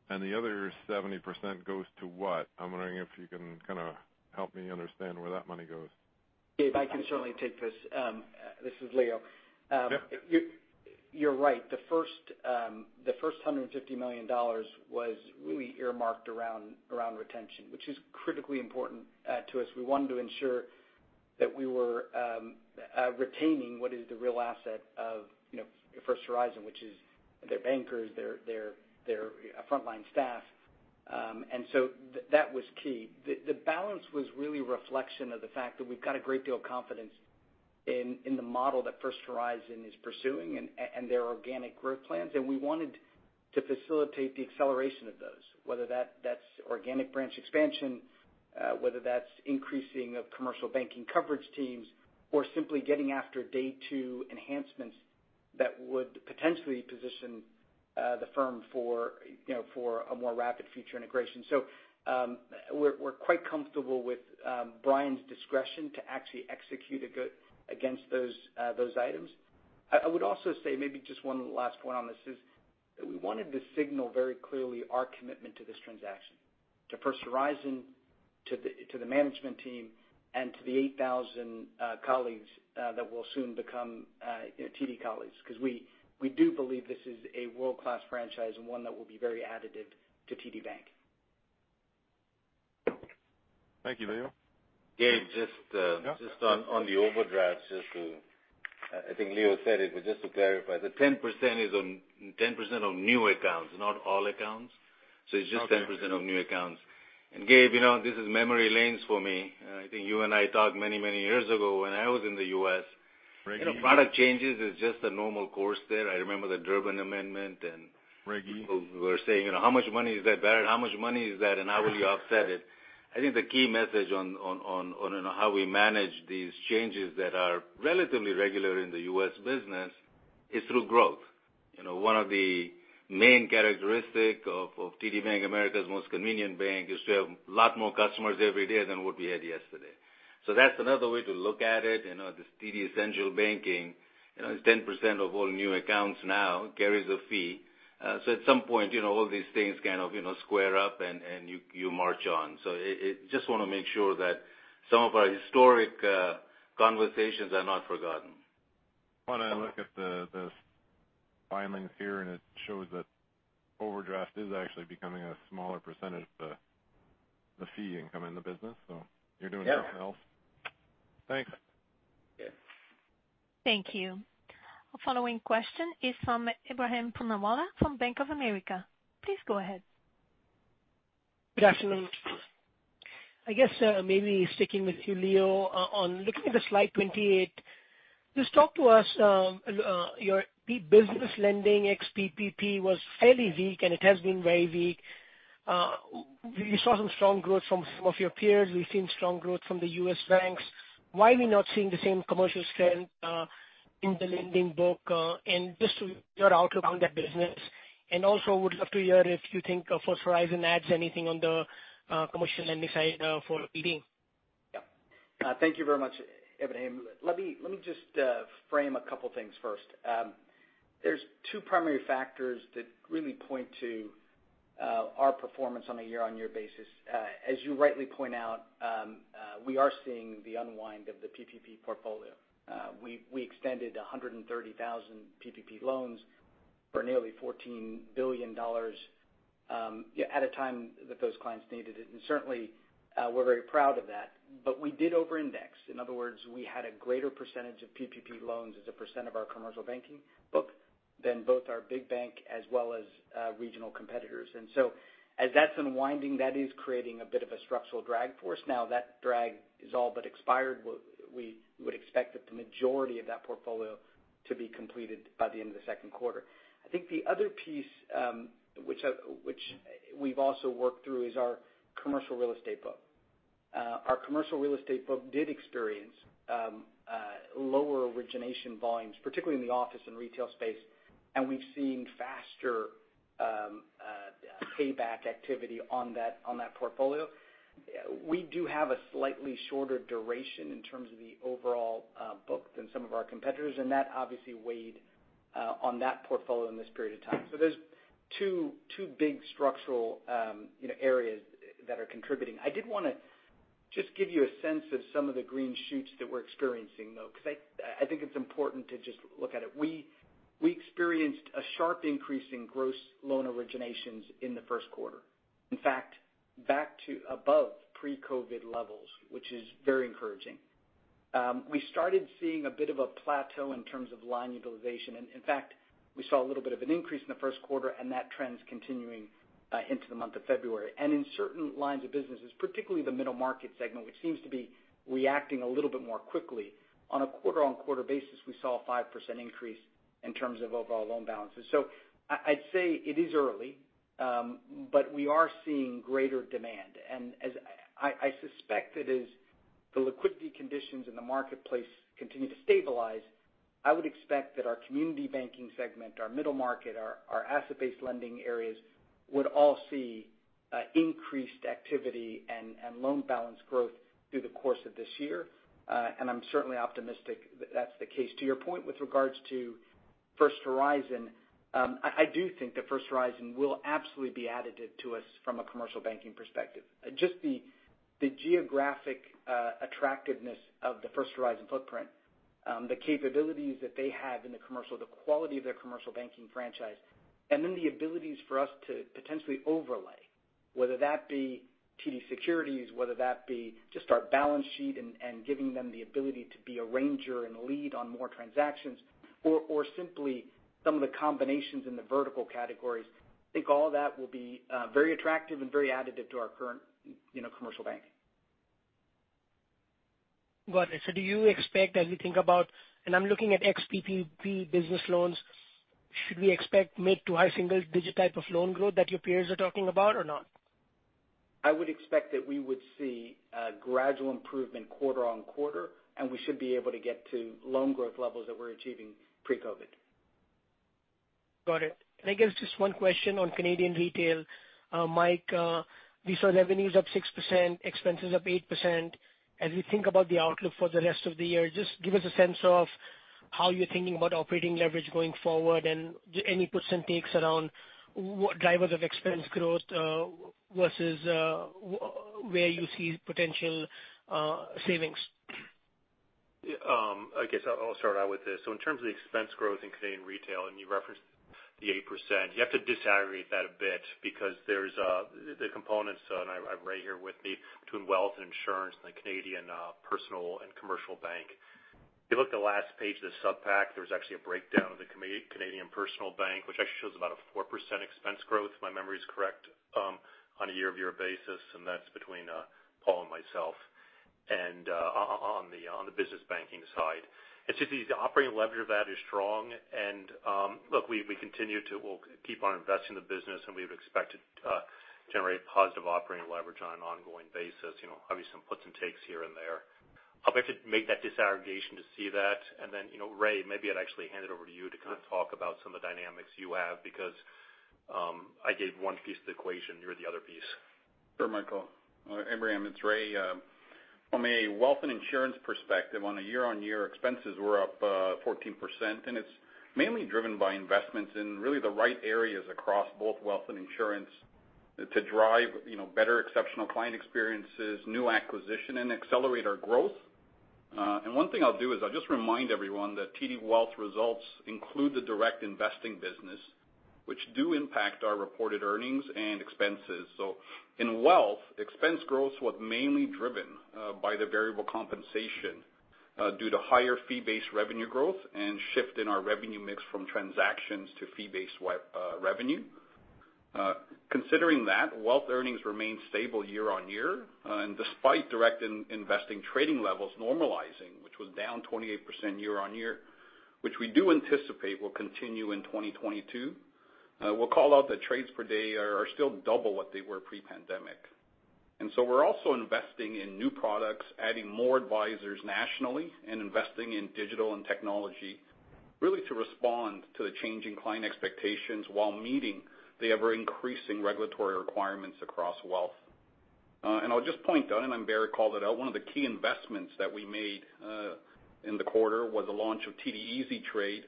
and the other 70% goes to what? I'm wondering if you can kind of help me understand where that money goes.
Gabe, I can certainly take this. This is Leo.
Yep.
You're right. The first $150 million was really earmarked around retention, which is critically important to us. We wanted to ensure that we were retaining what is the real asset of, you know, First Horizon, which is their bankers, their frontline staff, and that was key. The balance was really reflection of the fact that we've got a great deal of confidence in the model that First Horizon is pursuing and their organic growth plans, and we wanted to facilitate the acceleration of those, whether that's organic branch expansion, whether that's increasing of commercial banking coverage teams or simply getting after day two enhancements that would potentially position the firm for, you know, for a more rapid future integration. We're quite comfortable with Brian's discretion to actually execute against those items. I would also say maybe just one last point on this is that we wanted to signal very clearly our commitment to this transaction, to First Horizon, to the management team, and to the 8,000 colleagues that will soon become, you know, TD colleagues, 'cause we do believe this is a world-class franchise and one that will be very additive to TD Bank.
Thank you, Leo.
Gabe, just
Yeah.
Just on the overdraft, just to clarify, I think Leo said it, but just to clarify, the 10% is on 10% of new accounts, not all accounts.
Okay.
It's just 10% of new accounts. Gabe, you know, this is memory lane for me. I think you and I talked many, many years ago when I was in the U.S.
Reg E.
You know, product changes is just a normal course there. I remember the Durbin Amendment.
Reg E.
People were saying, you know, "How much money is that, Bharat? How much money is that, and how will you offset it?" I think the key message on you know, how we manage these changes that are relatively regular in the U.S. business is through growth. You know, one of the main characteristic of TD Bank, America's Most Convenient Bank, is we have a lot more customers every day than what we had yesterday. That's another way to look at it. You know, this TD Essential Banking, you know, it's 10% of all new accounts now carries a fee. At some point, you know, all these things kind of, you know, square up and you march on. It just wanna make sure that some of our historic conversations are not forgotten.
When I look at the filings here, and it shows that overdraft is actually becoming a smaller percentage of the fee income in the business. You're doing something else.
Yeah.
Thanks.
Thank you. Following question is from Ebrahim Poonawala from Bank of America. Please go ahead.
Good afternoon. I guess, maybe sticking with you, Leo, on looking at the slide 28, just talk to us, your business lending ex-PPP was fairly weak, and it has been very weak. We saw some strong growth from some of your peers. We've seen strong growth from the U.S. banks. Why are we not seeing the same commercial strength in the lending book? Just your outlook on that business. Would love to hear if you think First Horizon adds anything on the commercial lending side for TD.
Yeah. Thank you very much, Ebrahim. Let me just frame a couple things first. There's two primary factors that really point to our performance on a year-over-year basis. As you rightly point out, we are seeing the unwind of the PPP portfolio. We extended 130,000 PPP loans for nearly $14 billion at a time that those clients needed it. Certainly, we're very proud of that. We did over-index. In other words, we had a greater percentage of PPP loans as a percent of our commercial banking book than both our big bank as well as regional competitors. As that's unwinding, that is creating a bit of a structural drag force. Now that drag is all but expired. We would expect that the majority of that portfolio to be completed by the end of the second quarter. I think the other piece, which we've also worked through is our commercial real estate book. Our commercial real estate book did experience lower origination volumes, particularly in the office and retail space, and we've seen faster payback activity on that, on that portfolio. We do have a slightly shorter duration in terms of the overall book than some of our competitors, and that obviously weighed on that portfolio in this period of time. There's two big structural, you know, areas that are contributing. I did wanna just give you a sense of some of the green shoots that we're experiencing, though, because I think it's important to just look at it. We experienced a sharp increase in gross loan originations in the first quarter. In fact, back to above pre-COVID levels, which is very encouraging. We started seeing a bit of a plateau in terms of line utilization. In fact, we saw a little bit of an increase in the first quarter, and that trend is continuing into the month of February. In certain lines of businesses, particularly the middle market segment, which seems to be reacting a little bit more quickly on a quarter-on-quarter basis, we saw a 5% increase in terms of overall loan balances. I'd say it is early, but we are seeing greater demand. I suspect that as the liquidity conditions in the marketplace continue to stabilize, I would expect that our community banking segment, our middle market, our asset-based lending areas would all see increased activity and loan balance growth through the course of this year. I'm certainly optimistic that that's the case. To your point with regards to First Horizon, I do think that First Horizon will absolutely be additive to us from a commercial banking perspective. Just the geographic attractiveness of the First Horizon footprint, the capabilities that they have in the commercial, the quality of their commercial banking franchise, and then the abilities for us to potentially overlay, whether that be TD Securities, whether that be just our balance sheet and giving them the ability to be an arranger and lead on more transactions or simply some of the combinations in the vertical categories. I think all that will be very attractive and very additive to our current, you know, commercial banking.
Got it. Do you expect as we think about, and I'm looking at ex-PPP business loans, should we expect mid to high single digit type of loan growth that your peers are talking about or not?
I would expect that we would see a gradual improvement quarter-over-quarter, and we should be able to get to loan growth levels that we're achieving pre-COVID.
Got it. I guess just one question on Canadian Retail. Mike, we saw revenues up 6%, expenses up 8%. As we think about the outlook for the rest of the year, just give us a sense of how you're thinking about operating leverage going forward and any puts and takes around what drivers of expense growth versus where you see potential savings.
Yeah. I guess I'll start out with this. In terms of the expense growth in Canadian Retail, and you referenced the 8%, you have to disaggregate that a bit because there's the components, and I have Ray here with me, between Wealth and Insurance and the Canadian personal and commercial bank. If you look at the last page of the sub pack, there's actually a breakdown of the Canadian Personal Bank, which actually shows about a 4% expense growth, if my memory is correct, on a year-over-year basis, and that's between Paul and myself, and on the business banking side. It's just the operating leverage of that is strong. Look, we'll keep on investing in the business, and we expect to generate positive operating leverage on an ongoing basis. You know, obviously some puts and takes here and there. I'll make you make that disaggregation to see that. Then, you know, Ray, maybe I'd actually hand it over to you to kind of talk about some of the dynamics you have because I gave one piece of the equation, you're the other piece.
Sure, Michael. Ebrahim, it's Ray. From a wealth and insurance perspective, on a year-on-year basis, expenses were up 14%, and it's mainly driven by investments in really the right areas across both wealth and insurance to drive better exceptional client experiences, new acquisition, and accelerate our growth. One thing I'll do is I'll just remind everyone that TD Wealth results include the direct investing business, which do impact our reported earnings and expenses. In wealth, expense growth was mainly driven by the variable compensation due to higher fee-based revenue growth and shift in our revenue mix from transactions to fee-based revenue. Considering that, wealth earnings remain stable year-on-year, and despite direct investing trading levels normalizing, which was down 28% year-on-year, which we do anticipate will continue in 2022. We'll call out that trades per day are still double what they were pre-pandemic. We're also investing in new products, adding more advisors nationally and investing in digital and technology, really to respond to the changing client expectations while meeting the ever-increasing regulatory requirements across wealth. I'll just point out, and then Bharat called it out, one of the key investments that we made in the quarter was the launch of TD Easy Trade,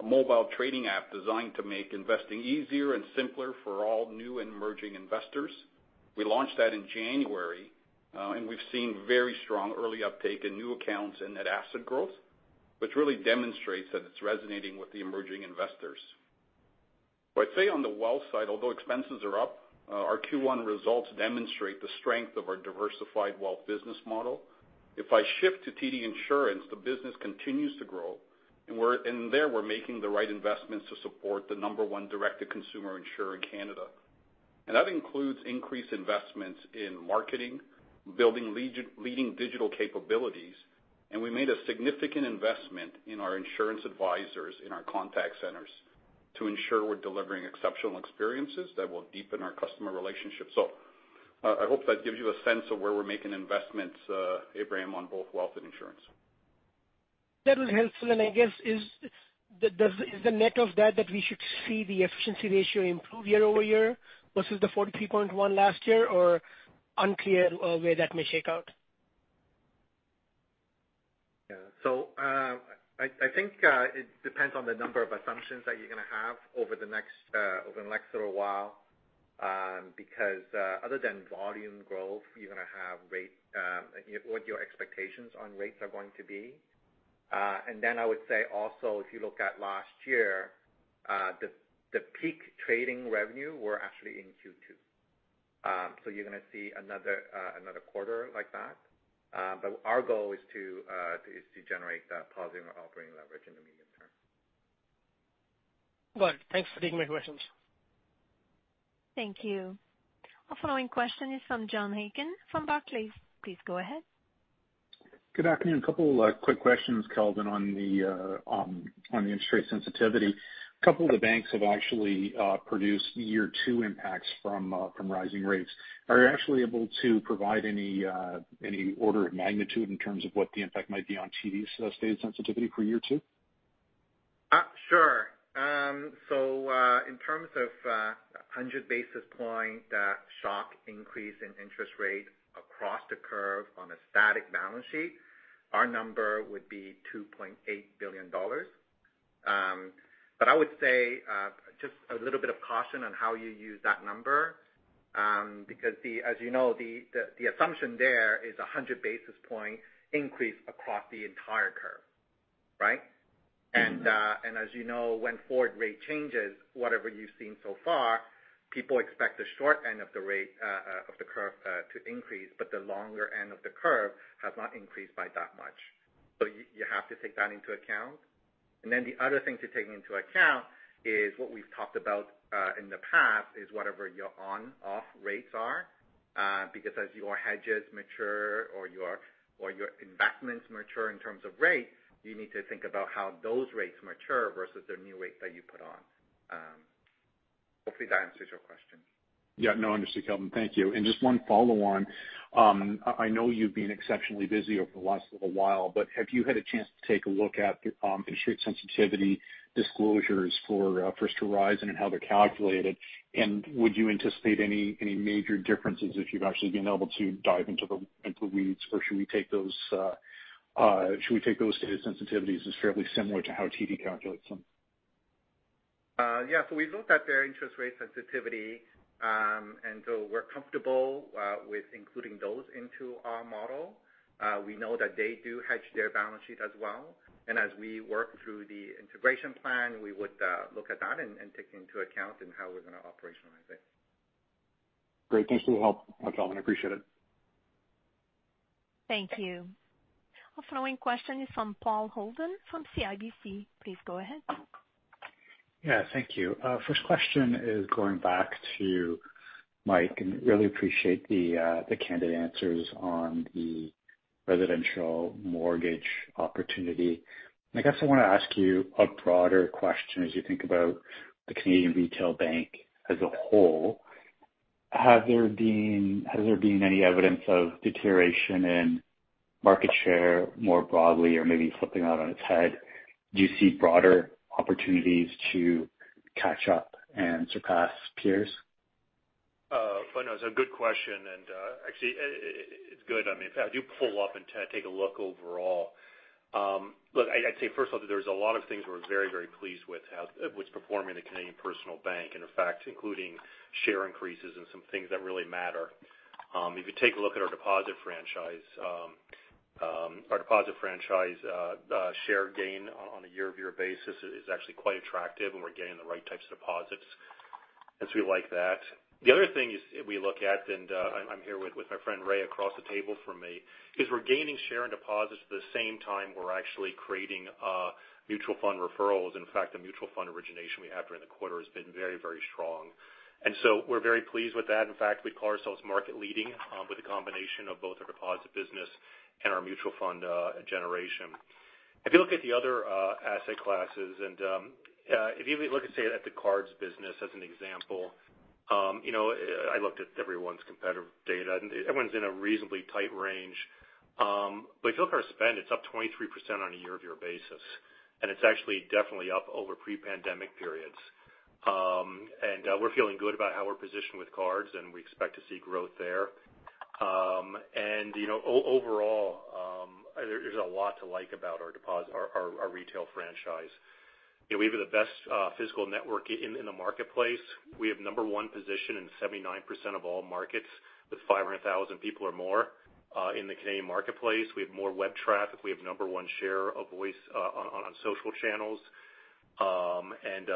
a mobile trading app designed to make investing easier and simpler for all new and emerging investors. We launched that in January, and we've seen very strong early uptake in new accounts and net asset growth, which really demonstrates that it's resonating with the emerging investors. I'd say on the wealth side, although expenses are up, our Q1 results demonstrate the strength of our diversified wealth business model. If I shift to TD Insurance, the business continues to grow, and there we're making the right investments to support the number one direct-to-consumer insurer in Canada. That includes increased investments in marketing, building leading digital capabilities, and we made a significant investment in our insurance advisors in our contact centers to ensure we're delivering exceptional experiences that will deepen our customer relationship. I hope that gives you a sense of where we're making investments, Ebrahim, on both wealth and insurance.
That was helpful. I guess, is the net of that we should see the efficiency ratio improve year-over-year versus the 43.1% last year, or unclear where that may shake out?
I think it depends on the number of assumptions that you're gonna have over the next little while, because other than volume growth, you're gonna have rate what your expectations on rates are going to be. I would say also if you look at last year, the peak trading revenue were actually in Q2. You're gonna see another quarter like that. Our goal is to generate that positive operating leverage in the medium term.
Got it. Thanks for taking my questions.
Thank you. Our following question is from John Aiken from Barclays. Please go ahead.
Good afternoon. A couple quick questions, Kelvin, on the interest rate sensitivity. A couple of the banks have actually produced year two impacts from rising rates. Are you actually able to provide any order of magnitude in terms of what the impact might be on TD's rate sensitivity for year two?
Sure. In terms of 100 basis points shock increase in interest rate across the curve on a static balance sheet, our number would be 2.8 billion dollars. I would say just a little bit of caution on how you use that number, because as you know, the assumption there is 100 basis points increase across the entire curve, right? As you know, when forward rate changes, whatever you've seen so far, people expect the short end of the rate of the curve to increase, but the longer end of the curve has not increased by that much. You have to take that into account. Then the other thing to take into account is what we've talked about in the past is whatever your on/off rates are, because as your hedges mature or your investments mature in terms of rates, you need to think about how those rates mature versus the new rate that you put on. Hopefully that answers your question.
Yeah. No, understood, Kelvin. Thank you. Just one follow-on. I know you've been exceptionally busy over the last little while, but have you had a chance to take a look at the interest rate sensitivity disclosures for First Horizon and how they're calculated? Would you anticipate any major differences if you've actually been able to dive into the weeds? Or should we take those stated sensitivities as fairly similar to how TD calculates them?
We looked at their interest rate sensitivity, and so we're comfortable with including those into our model. We know that they do hedge their balance sheet as well. As we work through the integration plan, we would look at that and take into account in how we're gonna operationalize it.
Great. Thanks for the help, Kelvin. I appreciate it.
Thank you. Our following question is from Paul Holden from CIBC. Please go ahead.
Yeah. Thank you. First question is going back to Mike, and really appreciate the candid answers on the residential mortgage opportunity. I guess I wanna ask you a broader question as you think about the Canadian Retail Bank as a whole. Has there been any evidence of deterioration in market share more broadly, or maybe flipping it on its head? Do you see broader opportunities to catch up and surpass peers?
No, it's a good question, and actually it's good. I mean, if I do pull up and take a look overall, look, I'd say first off that there's a lot of things we're very, very pleased with how what's performing in the Canadian Personal Bank, and in fact, including share increases and some things that really matter. If you take a look at our deposit franchise, our deposit franchise share gain on a year-over-year basis is actually quite attractive, and we're gaining the right types of deposits. We like that. The other thing we look at is, I'm here with my friend Ray across the table from me, we're gaining share in deposits at the same time we're actually creating mutual fund referrals. In fact, the mutual fund origination we have during the quarter has been very strong. We're very pleased with that. In fact, we call ourselves market leading with a combination of both our deposit business and our mutual fund generation. If you look at the other asset classes, and if you look at, say, the cards business as an example, you know, I looked at everyone's competitive data, and everyone's in a reasonably tight range. But if you look at our spend, it's up 23% on a year-over-year basis, and it's actually definitely up over pre-pandemic periods. We're feeling good about how we're positioned with cards, and we expect to see growth there. You know, overall, there's a lot to like about our deposit, our retail franchise. You know, we have the best physical network in the marketplace. We have number one position in 79% of all markets with 500,000 people or more in the Canadian marketplace. We have more web traffic. We have number one share of voice on social channels.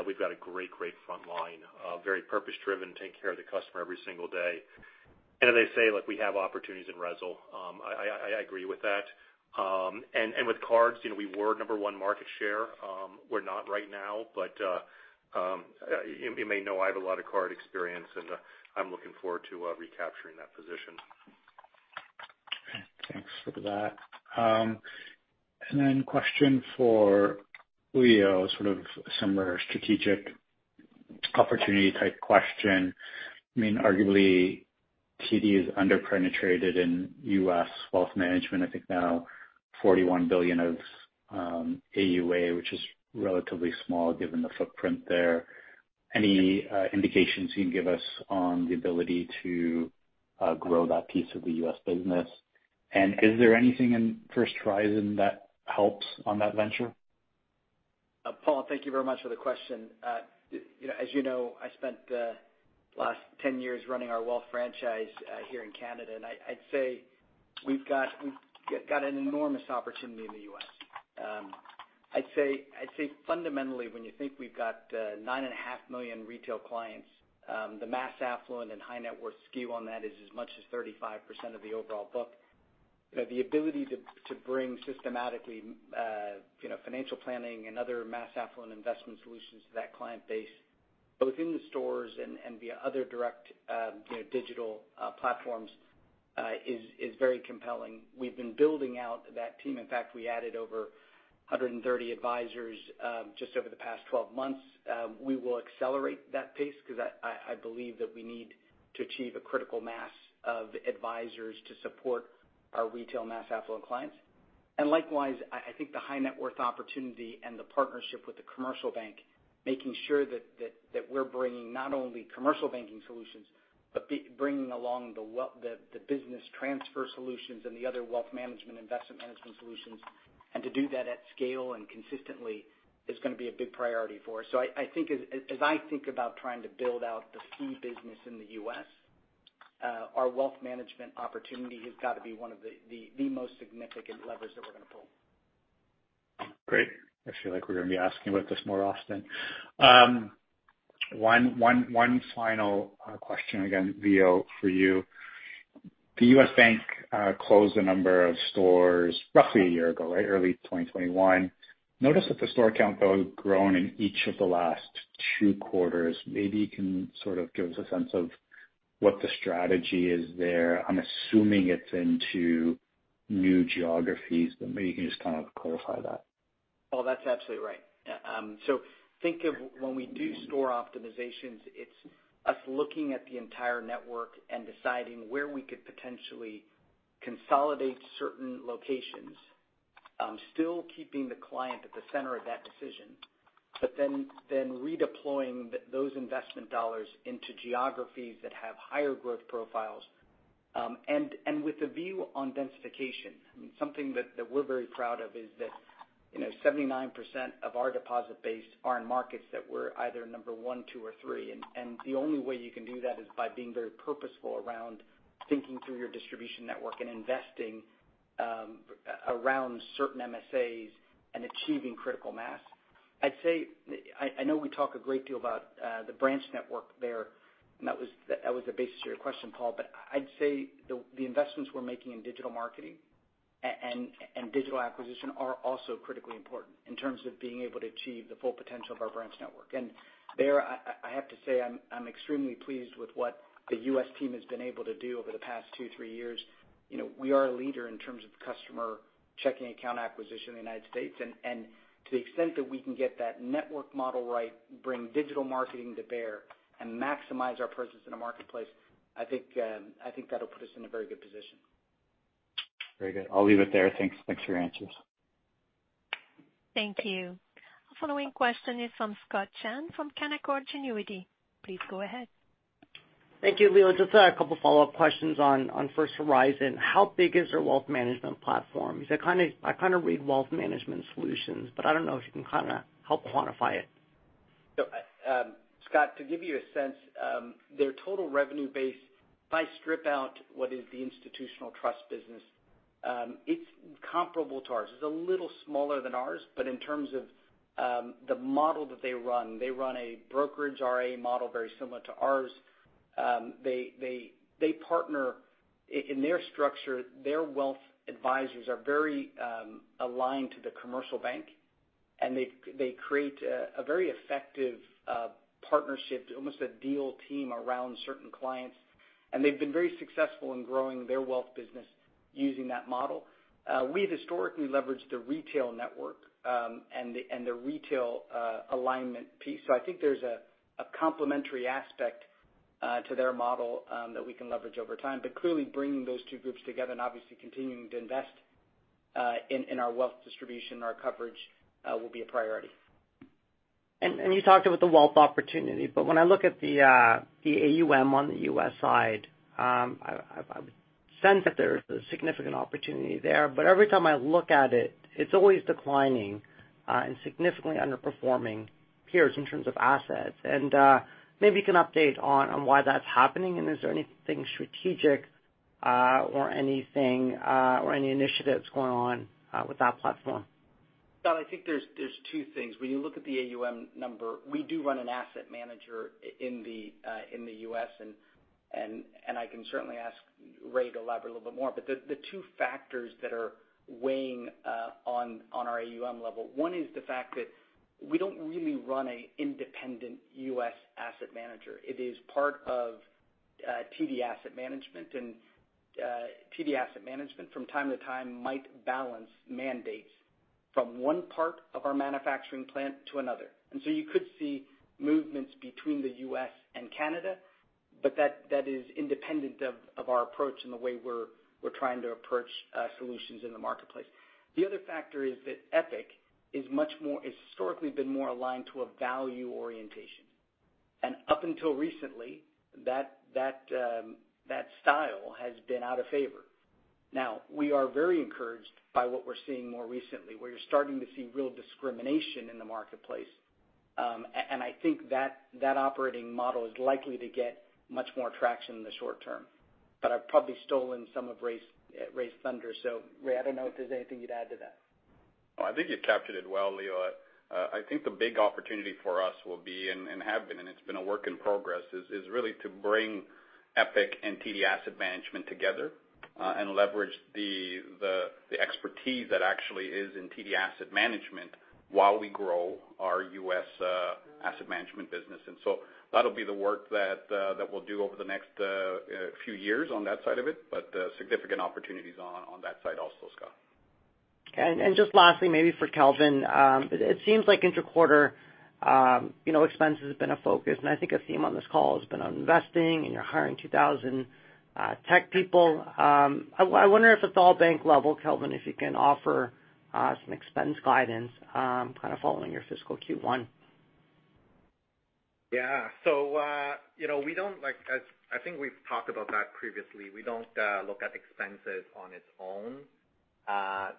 We've got a great front line, very purpose driven, taking care of the customer every single day. As I say, look, we have opportunities in RESL. I agree with that. With cards, you know, we were number one market share. We're not right now, but you may know I have a lot of card experience, and I'm looking forward to recapturing that position.
Okay, thanks for that. Question for Leo, sort of similar strategic opportunity type question. I mean, arguably, TD is under-penetrated in U.S. wealth management. I think now $41 billion of AUA, which is relatively small given the footprint there. Any indications you can give us on the ability to grow that piece of the U.S. business? Is there anything in First Horizon that helps on that venture?
Paul, thank you very much for the question. You know, as you know, I spent the last 10 years running our wealth franchise here in Canada, and I'd say we've got an enormous opportunity in the U.S. I'd say fundamentally, when you think we've got 9.5 million retail clients, the mass affluent and high net worth skew on that is as much as 35% of the overall book. You know, the ability to bring systematically you know, financial planning and other mass affluent investment solutions to that client base, both in the stores and via other direct you know, digital platforms is very compelling. We've been building out that team. In fact, we added over 130 advisors just over the past 12 months. We will accelerate that pace because I believe that we need to achieve a critical mass of advisors to support our retail mass affluent clients. Likewise, I think the high net worth opportunity and the partnership with the commercial bank, making sure that we're bringing not only commercial banking solutions, but bringing along the business transfer solutions and the other wealth management, investment management solutions. To do that at scale and consistently is gonna be a big priority for us. I think as I think about trying to build out the fee business in the U.S., our wealth management opportunity has got to be one of the most significant levers that we're gonna pull.
Great. I feel like we're gonna be asking about this more often. One final question again, Leo, for you. The U.S. bank closed a number of stores roughly a year ago, right? Early 2021. Notice that the store count, though, has grown in each of the last two quarters. Maybe you can sort of give us a sense of what the strategy is there. I'm assuming it's into new geographies, but maybe you can just kind of clarify that.
Well, that's absolutely right. So think of when we do store optimizations, it's us looking at the entire network and deciding where we could potentially consolidate certain locations, still keeping the client at the center of that decision, but then redeploying those investment dollars into geographies that have higher growth profiles, and with a view on densification. I mean, something that we're very proud of is that, you know, 79% of our deposit base are in markets that we're either number one, two, or three. The only way you can do that is by being very purposeful around thinking through your distribution network and investing around certain MSAs and achieving critical mass. I'd say, I know we talk a great deal about the branch network there, and that was the basis of your question, Paul. I'd say the investments we're making in digital marketing and digital acquisition are also critically important in terms of being able to achieve the full potential of our branch network. There I have to say I'm extremely pleased with what the U.S. team has been able to do over the past two, three years. You know, we are a leader in terms of customer checking account acquisition in the United States. To the extent that we can get that network model right, bring digital marketing to bear, and maximize our presence in the marketplace, I think that'll put us in a very good position.
Very good. I'll leave it there. Thanks. Thanks for your answers.
Thank you. Following question is from Scott Chan from Canaccord Genuity. Please go ahead.
Thank you, Leo. Just a couple follow-up questions on First Horizon. How big is their wealth management platform? Is it kinda, I kinda read wealth management solutions, but I don't know if you can kinda help quantify it?
Scott, to give you a sense, their total revenue base, if I strip out what is the institutional trust business, it's comparable to ours. It's a little smaller than ours, but in terms of the model that they run, they run a brokerage RIA model very similar to ours. They partner in their structure, their wealth advisors are very aligned to the commercial bank, and they create a very effective partnership, almost a deal team around certain clients. They've been very successful in growing their wealth business using that model. We've historically leveraged the retail network and the retail alignment piece. I think there's a complementary aspect to their model that we can leverage over time. Clearly bringing those two groups together and obviously continuing to invest in our wealth distribution, our coverage will be a priority.
You talked about the wealth opportunity, but when I look at the AUM on the U.S. side, I would sense that there's a significant opportunity there. But every time I look at it's always declining and significantly underperforming peers in terms of assets. Maybe you can update on why that's happening, and is there anything strategic or any initiatives going on with that platform?
Scott, I think there's two things. When you look at the AUM number, we do run an asset manager in the U.S., and I can certainly ask Ray to elaborate a little bit more. But the two factors that are weighing on our AUM level, one is the fact that we don't really run a independent U.S. asset manager. It is part of TD Asset Management, and TD Asset Management from time to time might balance mandates from one part of our manufacturing plant to another. You could see movements between the U.S. and Canada, but that is independent of our approach and the way we're trying to approach solutions in the marketplace. The other factor is that Epoch is much more, has historically been more aligned to a value orientation. Up until recently, that style has been out of favor. Now, we are very encouraged by what we're seeing more recently, where you're starting to see real discrimination in the marketplace. I think that operating model is likely to get much more traction in the short term. I've probably stolen some of Ray's thunder. Ray, I don't know if there's anything you'd add to that.
No, I think you captured it well, Leo. I think the big opportunity for us will be and have been, and it's been a work in progress, is really to bring EPIC and TD Asset Management together, and leverage the expertise that actually is in TD Asset Management while we grow our U.S. asset management business. That'll be the work that we'll do over the next few years on that side of it, but significant opportunities on that side also, Scott.
Okay. Just lastly, maybe for Kelvin, it seems like inter-quarter, you know, expense has been a focus, and I think a theme on this call has been on investing, and you're hiring 2,000 tech people. I wonder if at the all bank level, Kelvin, if you can offer some expense guidance, kind of following your fiscal Q1.
As I think we've talked about that previously, we don't look at expenses on its own.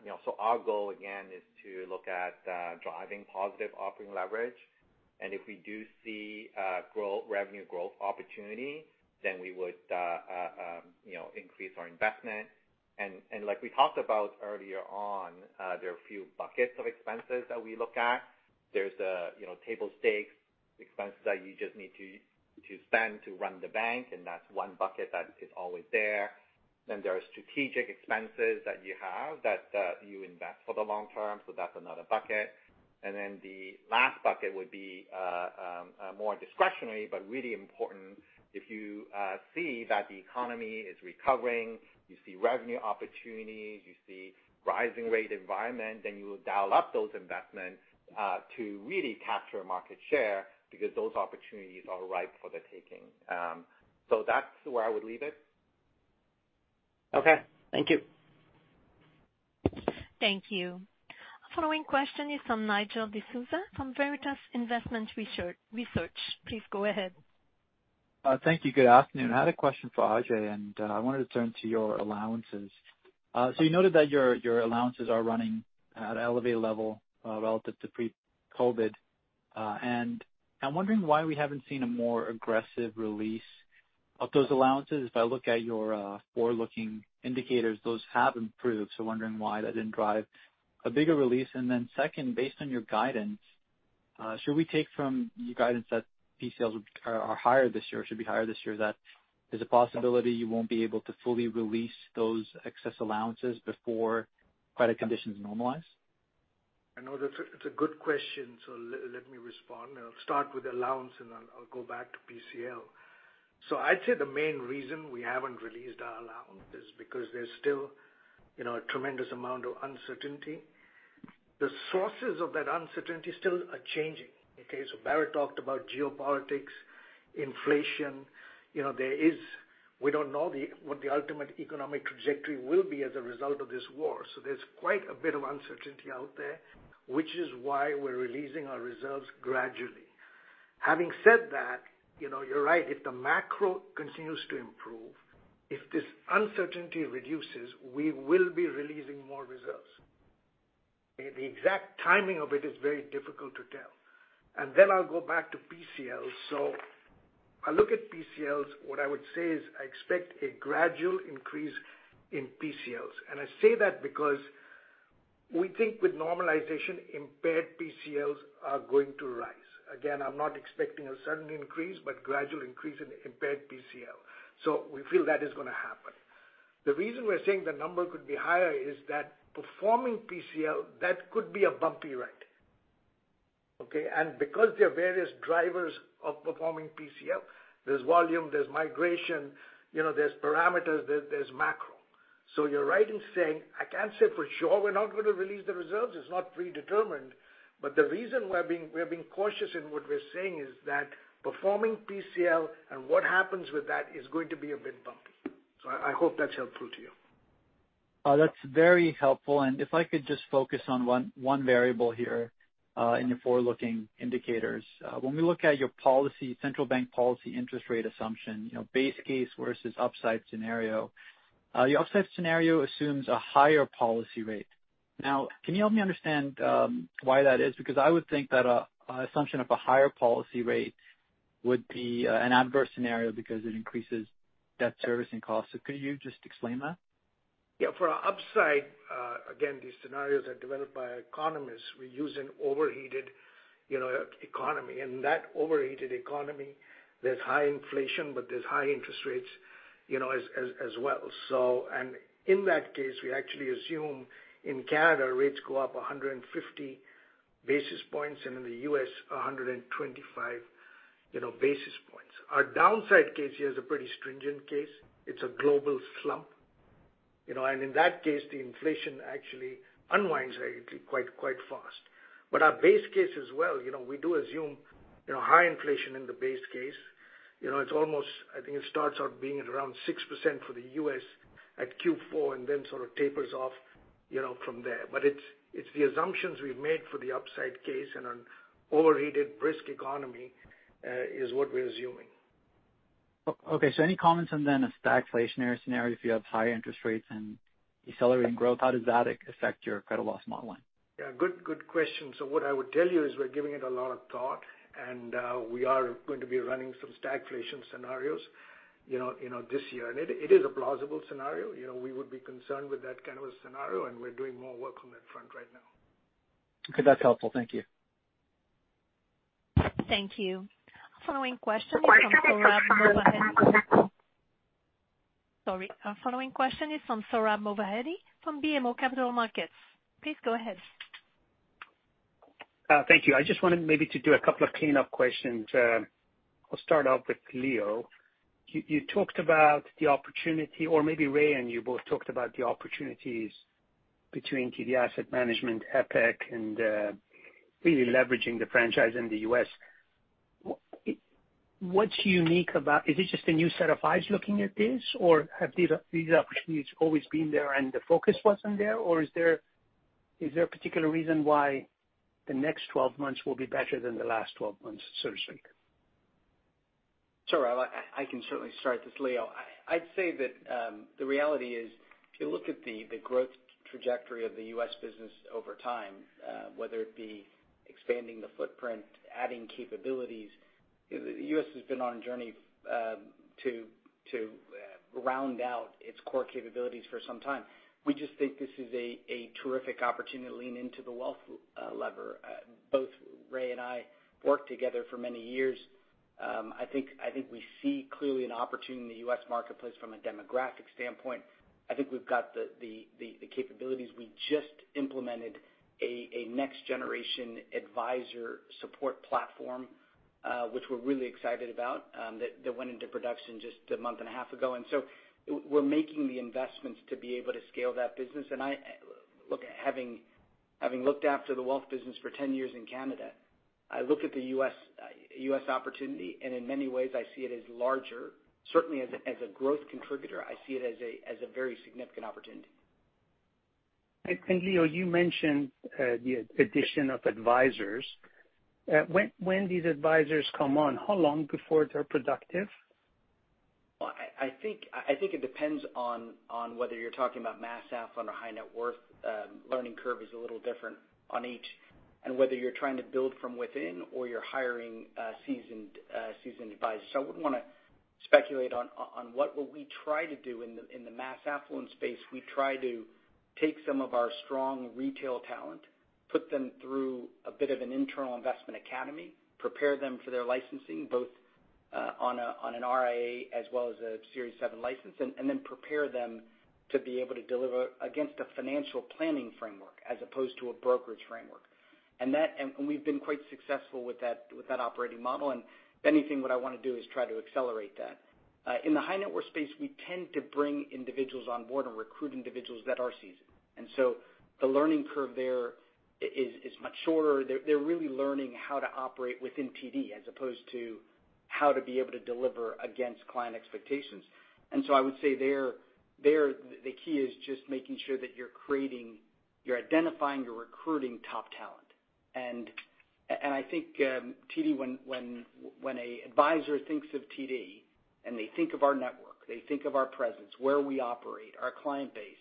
You know, our goal again is to look at driving positive operating leverage. If we do see revenue growth opportunity, then we would, you know, increase our investment. Like we talked about earlier on, there are a few buckets of expenses that we look at. There's a, you know, table stakes expenses that you just need to spend to run the bank, and that's one bucket that is always there. There are strategic expenses that you have that you invest for the long term, so that's another bucket. The last bucket would be more discretionary, but really important if you see that the economy is recovering, you see revenue opportunities, you see rising rate environment, then you will dial up those investments to really capture market share because those opportunities are ripe for the taking. That's where I would leave it.
Okay. Thank you.
Thank you. The following question is from Nigel D'Souza from Veritas Investment Research. Please go ahead.
Thank you. Good afternoon. I had a question for Ajai, and I wanted to turn to your allowances. You noted that your allowances are running at an elevated level, relative to pre-COVID. I'm wondering why we haven't seen a more aggressive release of those allowances. If I look at your forward-looking indicators, those have improved. Wondering why that didn't drive a bigger release. Then second, based on your guidance, should we take from your guidance that PCLs are higher this year or should be higher this year, that there's a possibility you won't be able to fully release those excess allowances before credit conditions normalize?
I know that's a good question, so let me respond. I'll start with allowance and I'll go back to PCL. I'd say the main reason we haven't released our allowance is because there's still, you know, a tremendous amount of uncertainty. The sources of that uncertainty still are changing. Okay? Bharat talked about geopolitics, inflation. You know, we don't know what the ultimate economic trajectory will be as a result of this war. There's quite a bit of uncertainty out there, which is why we're releasing our reserves gradually. Having said that, you know, you're right. If the macro continues to improve, if this uncertainty reduces, we will be releasing more reserves. The exact timing of it is very difficult to tell. Then I'll go back to PCL. I look at PCLs, what I would say is I expect a gradual increase in PCLs. I say that because we think with normalization, impaired PCLs are going to rise. Again, I'm not expecting a sudden increase, but gradual increase in impaired PCL. We feel that is gonna happen. The reason we're saying the number could be higher is that performing PCL, that could be a bumpy ride, okay? Because there are various drivers of performing PCL, there's volume, there's migration, you know, there's parameters, there's macro. You're right in saying I can't say for sure we're not gonna release the reserves, it's not predetermined, but the reason we're being cautious in what we're saying is that performing PCL and what happens with that is going to be a bit bumpy. I hope that's helpful to you.
That's very helpful. If I could just focus on one variable here in the forward-looking indicators. When we look at your policy, central bank policy interest rate assumption, you know, base case versus upside scenario, your upside scenario assumes a higher policy rate. Now, can you help me understand why that is? Because I would think that an assumption of a higher policy rate would be an adverse scenario because it increases debt servicing costs. Could you just explain that?
Yeah. For our upside, again, these scenarios are developed by our economists. We use an overheated, you know, economy. That overheated economy, there's high inflation, but there's high interest rates, you know, as well. In that case, we actually assume in Canada, rates go up 150 basis points, and in the U.S, 125, you know, basis points. Our downside case here is a pretty stringent case. It's a global slump, you know. In that case, the inflation actually unwinds rapidly quite fast. But our base case as well, you know, we do assume, you know, high inflation in the base case. You know, it's almost, I think it starts out being at around 6% for the U.S. at Q4 and then sort of tapers off, you know, from there. It's the assumptions we've made for the upside case in an overheated risk economy is what we're assuming.
Okay. Any comments on then a stagflationary scenario if you have high interest rates and decelerating growth, how does that affect your credit loss modeling?
Yeah. Good question. What I would tell you is we're giving it a lot of thought, and we are going to be running some stagflation scenarios, you know, this year. It is a plausible scenario. You know, we would be concerned with that kind of a scenario, and we're doing more work on that front right now.
Okay, that's helpful. Thank you.
Thank you. Our following question is from Sohrab Movahedi from BMO Capital Markets. Please go ahead.
Thank you. I just wanted maybe to do a couple of cleanup questions. I'll start off with Leo. You talked about the opportunity, or maybe Ray and you both talked about the opportunities between TD Asset Management, Epoch, and really leveraging the franchise in the U.S. What's unique about this? Is this just a new set of eyes looking at this, or have these opportunities always been there and the focus wasn't there, or is there a particular reason why the next 12 months will be better than the last 12 months, so to speak?
Sohrab, I can certainly start this. Leo. I'd say that the reality is, if you look at the growth trajectory of the U.S. business over time, whether it be expanding the footprint, adding capabilities, the U.S. has been on a journey to round out its core capabilities for some time. We just think this is a terrific opportunity to lean into the wealth lever. Both Ray and I worked together for many years. I think we see clearly an opportunity in the U.S. marketplace from a demographic standpoint. I think we've got the capabilities. We just implemented a next generation advisor support platform, which we're really excited about, that went into production just a month and a half ago. We're making the investments to be able to scale that business. I look, having looked after the wealth business for 10 years in Canada, I look at the U.S. opportunity, and in many ways, I see it as larger. Certainly as a growth contributor, I see it as a very significant opportunity.
Leo, you mentioned the addition of advisors. When these advisors come on, how long before they're productive?
Well, I think it depends on whether you're talking about mass affluent or high net worth. Learning curve is a little different on each, and whether you're trying to build from within or you're hiring seasoned advisors. I wouldn't wanna speculate on what will we try to do. In the mass affluent space, we try to take some of our strong retail talent, put them through a bit of an internal investment academy, prepare them for their licensing, both on an RIA as well as a Series 7 license, and then prepare them to be able to deliver against a financial planning framework as opposed to a brokerage framework. We've been quite successful with that operating model. If anything, what I wanna do is try to accelerate that. In the high net worth space, we tend to bring individuals on board or recruit individuals that are seasoned. The learning curve there is much shorter. They're really learning how to operate within TD as opposed to how to be able to deliver against client expectations. I would say there the key is just making sure that you're creating, you're identifying, you're recruiting top talent. I think TD when an advisor thinks of TD and they think of our network, they think of our presence, where we operate, our client base,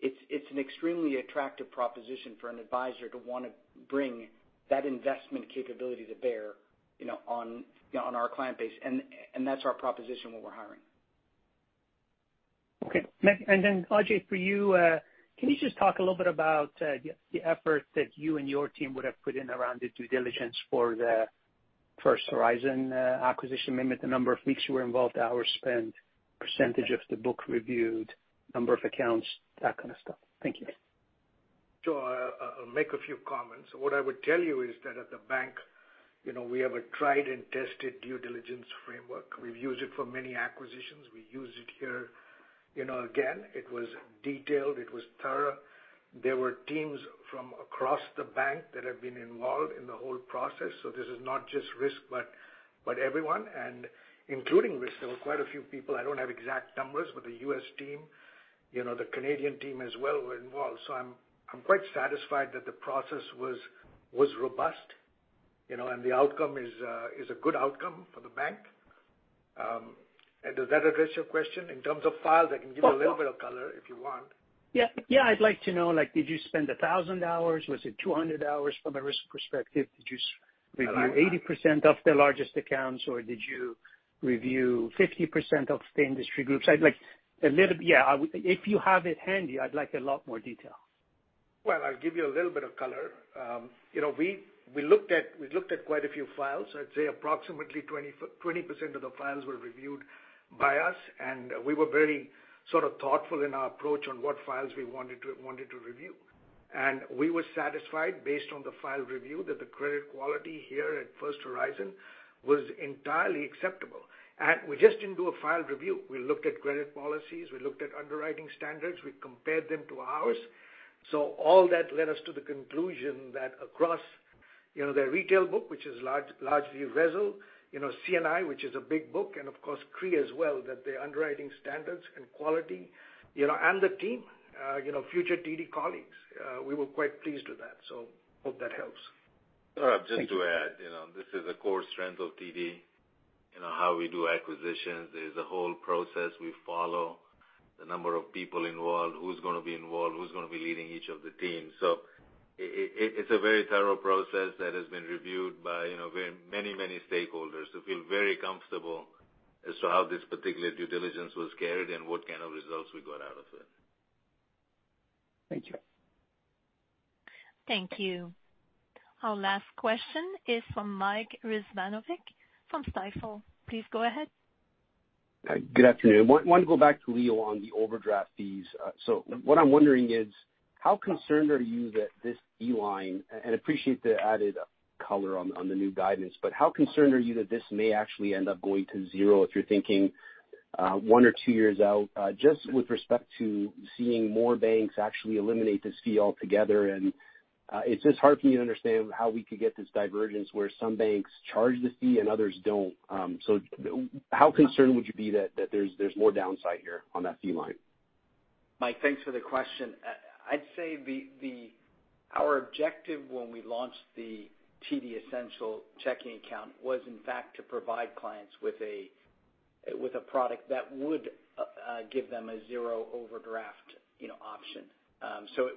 it's an extremely attractive proposition for an advisor to wanna bring that investment capability to bear, you know, on our client base. That's our proposition when we're hiring.
Okay. Ajai, for you, can you just talk a little bit about the effort that you and your team would have put in around the due diligence for the First Horizon acquisition? Maybe the number of weeks you were involved, hours spent, percentage of the book reviewed, number of accounts, that kind of stuff. Thank you.
Sure. I'll make a few comments. What I would tell you is that at the bank, you know, we have a tried and tested due diligence framework. We've used it for many acquisitions. We used it here, you know, again. It was detailed, it was thorough. There were teams from across the bank that have been involved in the whole process. This is not just risk, but everyone. Including risk, there were quite a few people. I don't have exact numbers, but the U.S. team, you know, the Canadian team as well were involved. I'm quite satisfied that the process was robust, you know, and the outcome is a good outcome for the bank. Does that address your question? In terms of files, I can give you a little bit of color if you want.
Yeah. Yeah, I'd like to know, like, did you spend 1,000 hours? Was it 200 hours from a risk perspective? Did you review 80% of the largest accounts, or did you review 50% of the industry groups? If you have it handy, I'd like a lot more detail.
Well, I'll give you a little bit of color. We looked at quite a few files. I'd say approximately 20% of the files were reviewed by us, and we were very sort of thoughtful in our approach on what files we wanted to review. We were satisfied based on the file review that the credit quality here at First Horizon was entirely acceptable. We just didn't do a file review. We looked at credit policies, we looked at underwriting standards, we compared them to ours. All that led us to the conclusion that across, you know, their retail book, which is largely RESL, you know, CNI, which is a big book, and of course, CRE as well, that the underwriting standards and quality, you know, and the team, you know, future TD colleagues, we were quite pleased with that. Hope that helps.
Just to add, you know, this is a core strength of TD, you know, how we do acquisitions. There's a whole process we follow, the number of people involved, who's gonna be involved, who's gonna be leading each of the teams. It's a very thorough process that has been reviewed by, you know, very many, many stakeholders. I feel very comfortable as to how this particular due diligence was carried and what kind of results we got out of it.
Thank you.
Thank you. Our last question is from Mike Rizvanovic from Stifel. Please go ahead.
Good afternoon. Want to go back to Leo on the overdraft fees. So what I'm wondering is, how concerned are you that this fee line. Appreciate the added color on the new guidance, but how concerned are you that this may actually end up going to zero if you're thinking one or two years out, just with respect to seeing more banks actually eliminate this fee altogether? It's just hard for me to understand how we could get this divergence where some banks charge this fee and others don't. So how concerned would you be that there's more downside here on that fee line?
Mike, thanks for the question. I'd say our objective when we launched the TD Essential Banking was in fact to provide clients with a product that would give them a zero overdraft option, you know. So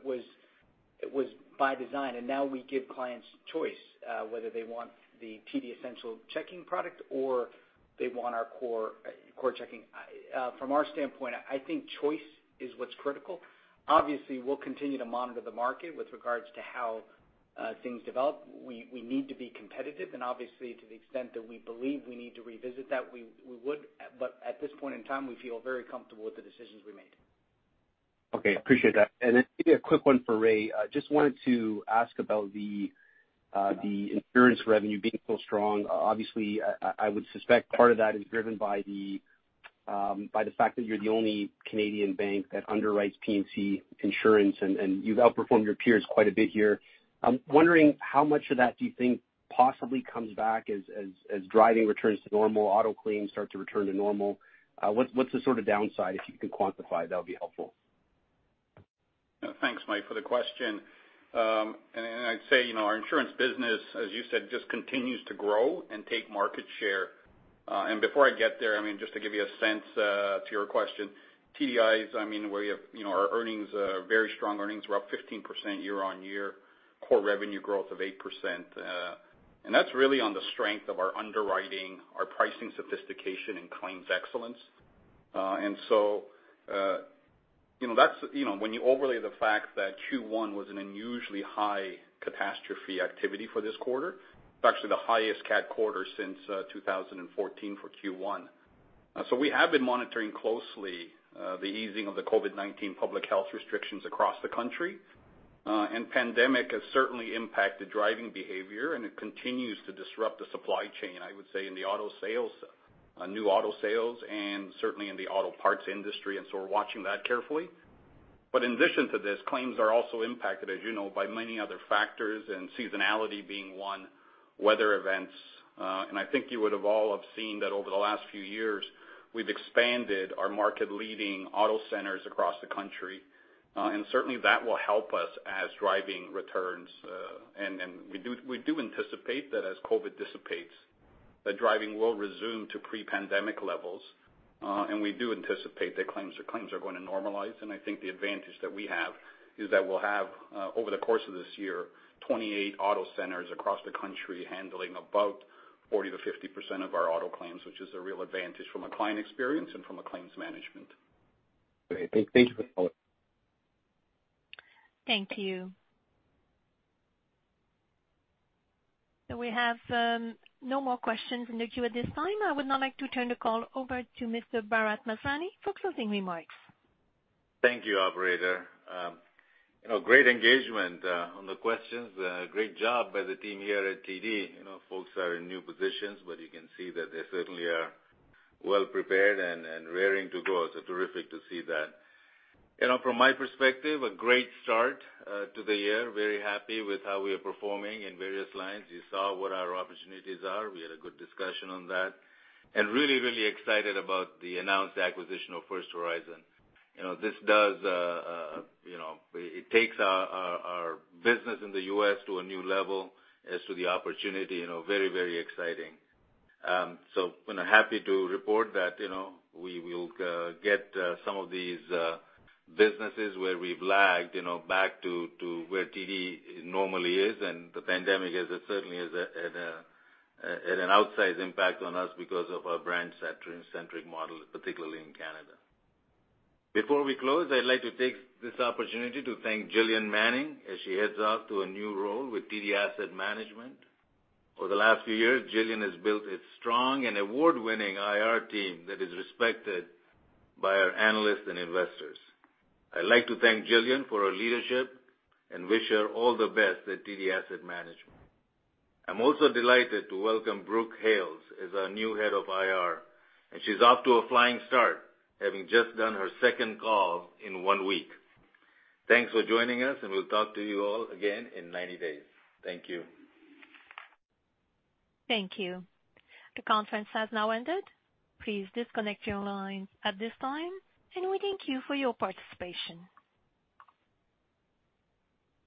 it was by design, and now we give clients choice whether they want the TD Essential Banking or they want our core checking. From our standpoint, I think choice is what's critical. Obviously, we'll continue to monitor the market with regards to how things develop. We need to be competitive, and obviously, to the extent that we believe we need to revisit that, we would. But at this point in time, we feel very comfortable with the decisions we made.
Okay. Appreciate that. Maybe a quick one for Ray. Just wanted to ask about the insurance revenue being so strong. Obviously, I would suspect part of that is driven by the fact that you're the only Canadian bank that underwrites P&C insurance, and you've outperformed your peers quite a bit here. I'm wondering how much of that do you think possibly comes back as driving returns to normal, auto claims start to return to normal? What's the sort of downside? If you can quantify, that would be helpful.
Thanks, Mike, for the question. I'd say, you know, our insurance business, as you said, just continues to grow and take market share. Before I get there, I mean, just to give you a sense, to your question, TDI is, I mean, we have, you know, our earnings are very strong earnings. We're up 15% year-over-year, core revenue growth of 8%. That's really on the strength of our underwriting, our pricing sophistication and claims excellence. You know, that's, you know, when you overlay the fact that Q1 was an unusually high catastrophe activity for this quarter, it's actually the highest cat quarter since 2014 for Q1. We have been monitoring closely, the easing of the COVID-19 public health restrictions across the country. Pandemic has certainly impacted driving behavior, and it continues to disrupt the supply chain, I would say, in the auto sales, new auto sales and certainly in the auto parts industry, and so we're watching that carefully. In addition to this, claims are also impacted, as you know, by many other factors, and seasonality being one. Weather events. I think you would have all seen that over the last few years, we've expanded our market-leading auto centers across the country. Certainly, that will help us as driving returns. We do anticipate that as COVID dissipates, that driving will resume to pre-pandemic levels. We do anticipate that claims are going to normalize. I think the advantage that we have is that we'll have, over the course of this year, 28 auto centers across the country handling about 40%-50% of our auto claims, which is a real advantage from a client experience and from a claims management.
Great. Thank you for the call.
Thank you. We have no more questions in the queue at this time. I would now like to turn the call over to Mr. Bharat Masrani for closing remarks.
Thank you, operator. You know, great engagement on the questions. Great job by the team here at TD. You know, folks are in new positions, but you can see that they certainly are well-prepared and raring to go. Terrific to see that. You know, from my perspective, a great start to the year. Very happy with how we are performing in various lines. You saw what our opportunities are. We had a good discussion on that. Really excited about the announced acquisition of First Horizon. You know, this does, you know. It takes our business in the U.S. to a new level as to the opportunity. You know, very exciting. Happy to report that, you know, we will get some of these businesses where we've lagged, you know, back to where TD normally is. The pandemic certainly is at an outsized impact on us because of our brand-centric model, particularly in Canada. Before we close, I'd like to take this opportunity to thank Gillian Manning as she heads off to a new role with TD Asset Management. Over the last few years, Gillian has built a strong and award-winning IR team that is respected by our analysts and investors. I'd like to thank Gillian for her leadership and wish her all the best at TD Asset Management. I'm also delighted to welcome Brooke Hales as our new head of IR, and she's off to a flying start, having just done her second call in one week. Thanks for joining us, and we'll talk to you all again in 90 days. Thank you.
Thank you. The conference has now ended. Please disconnect your line at this time, and we thank you for your participation.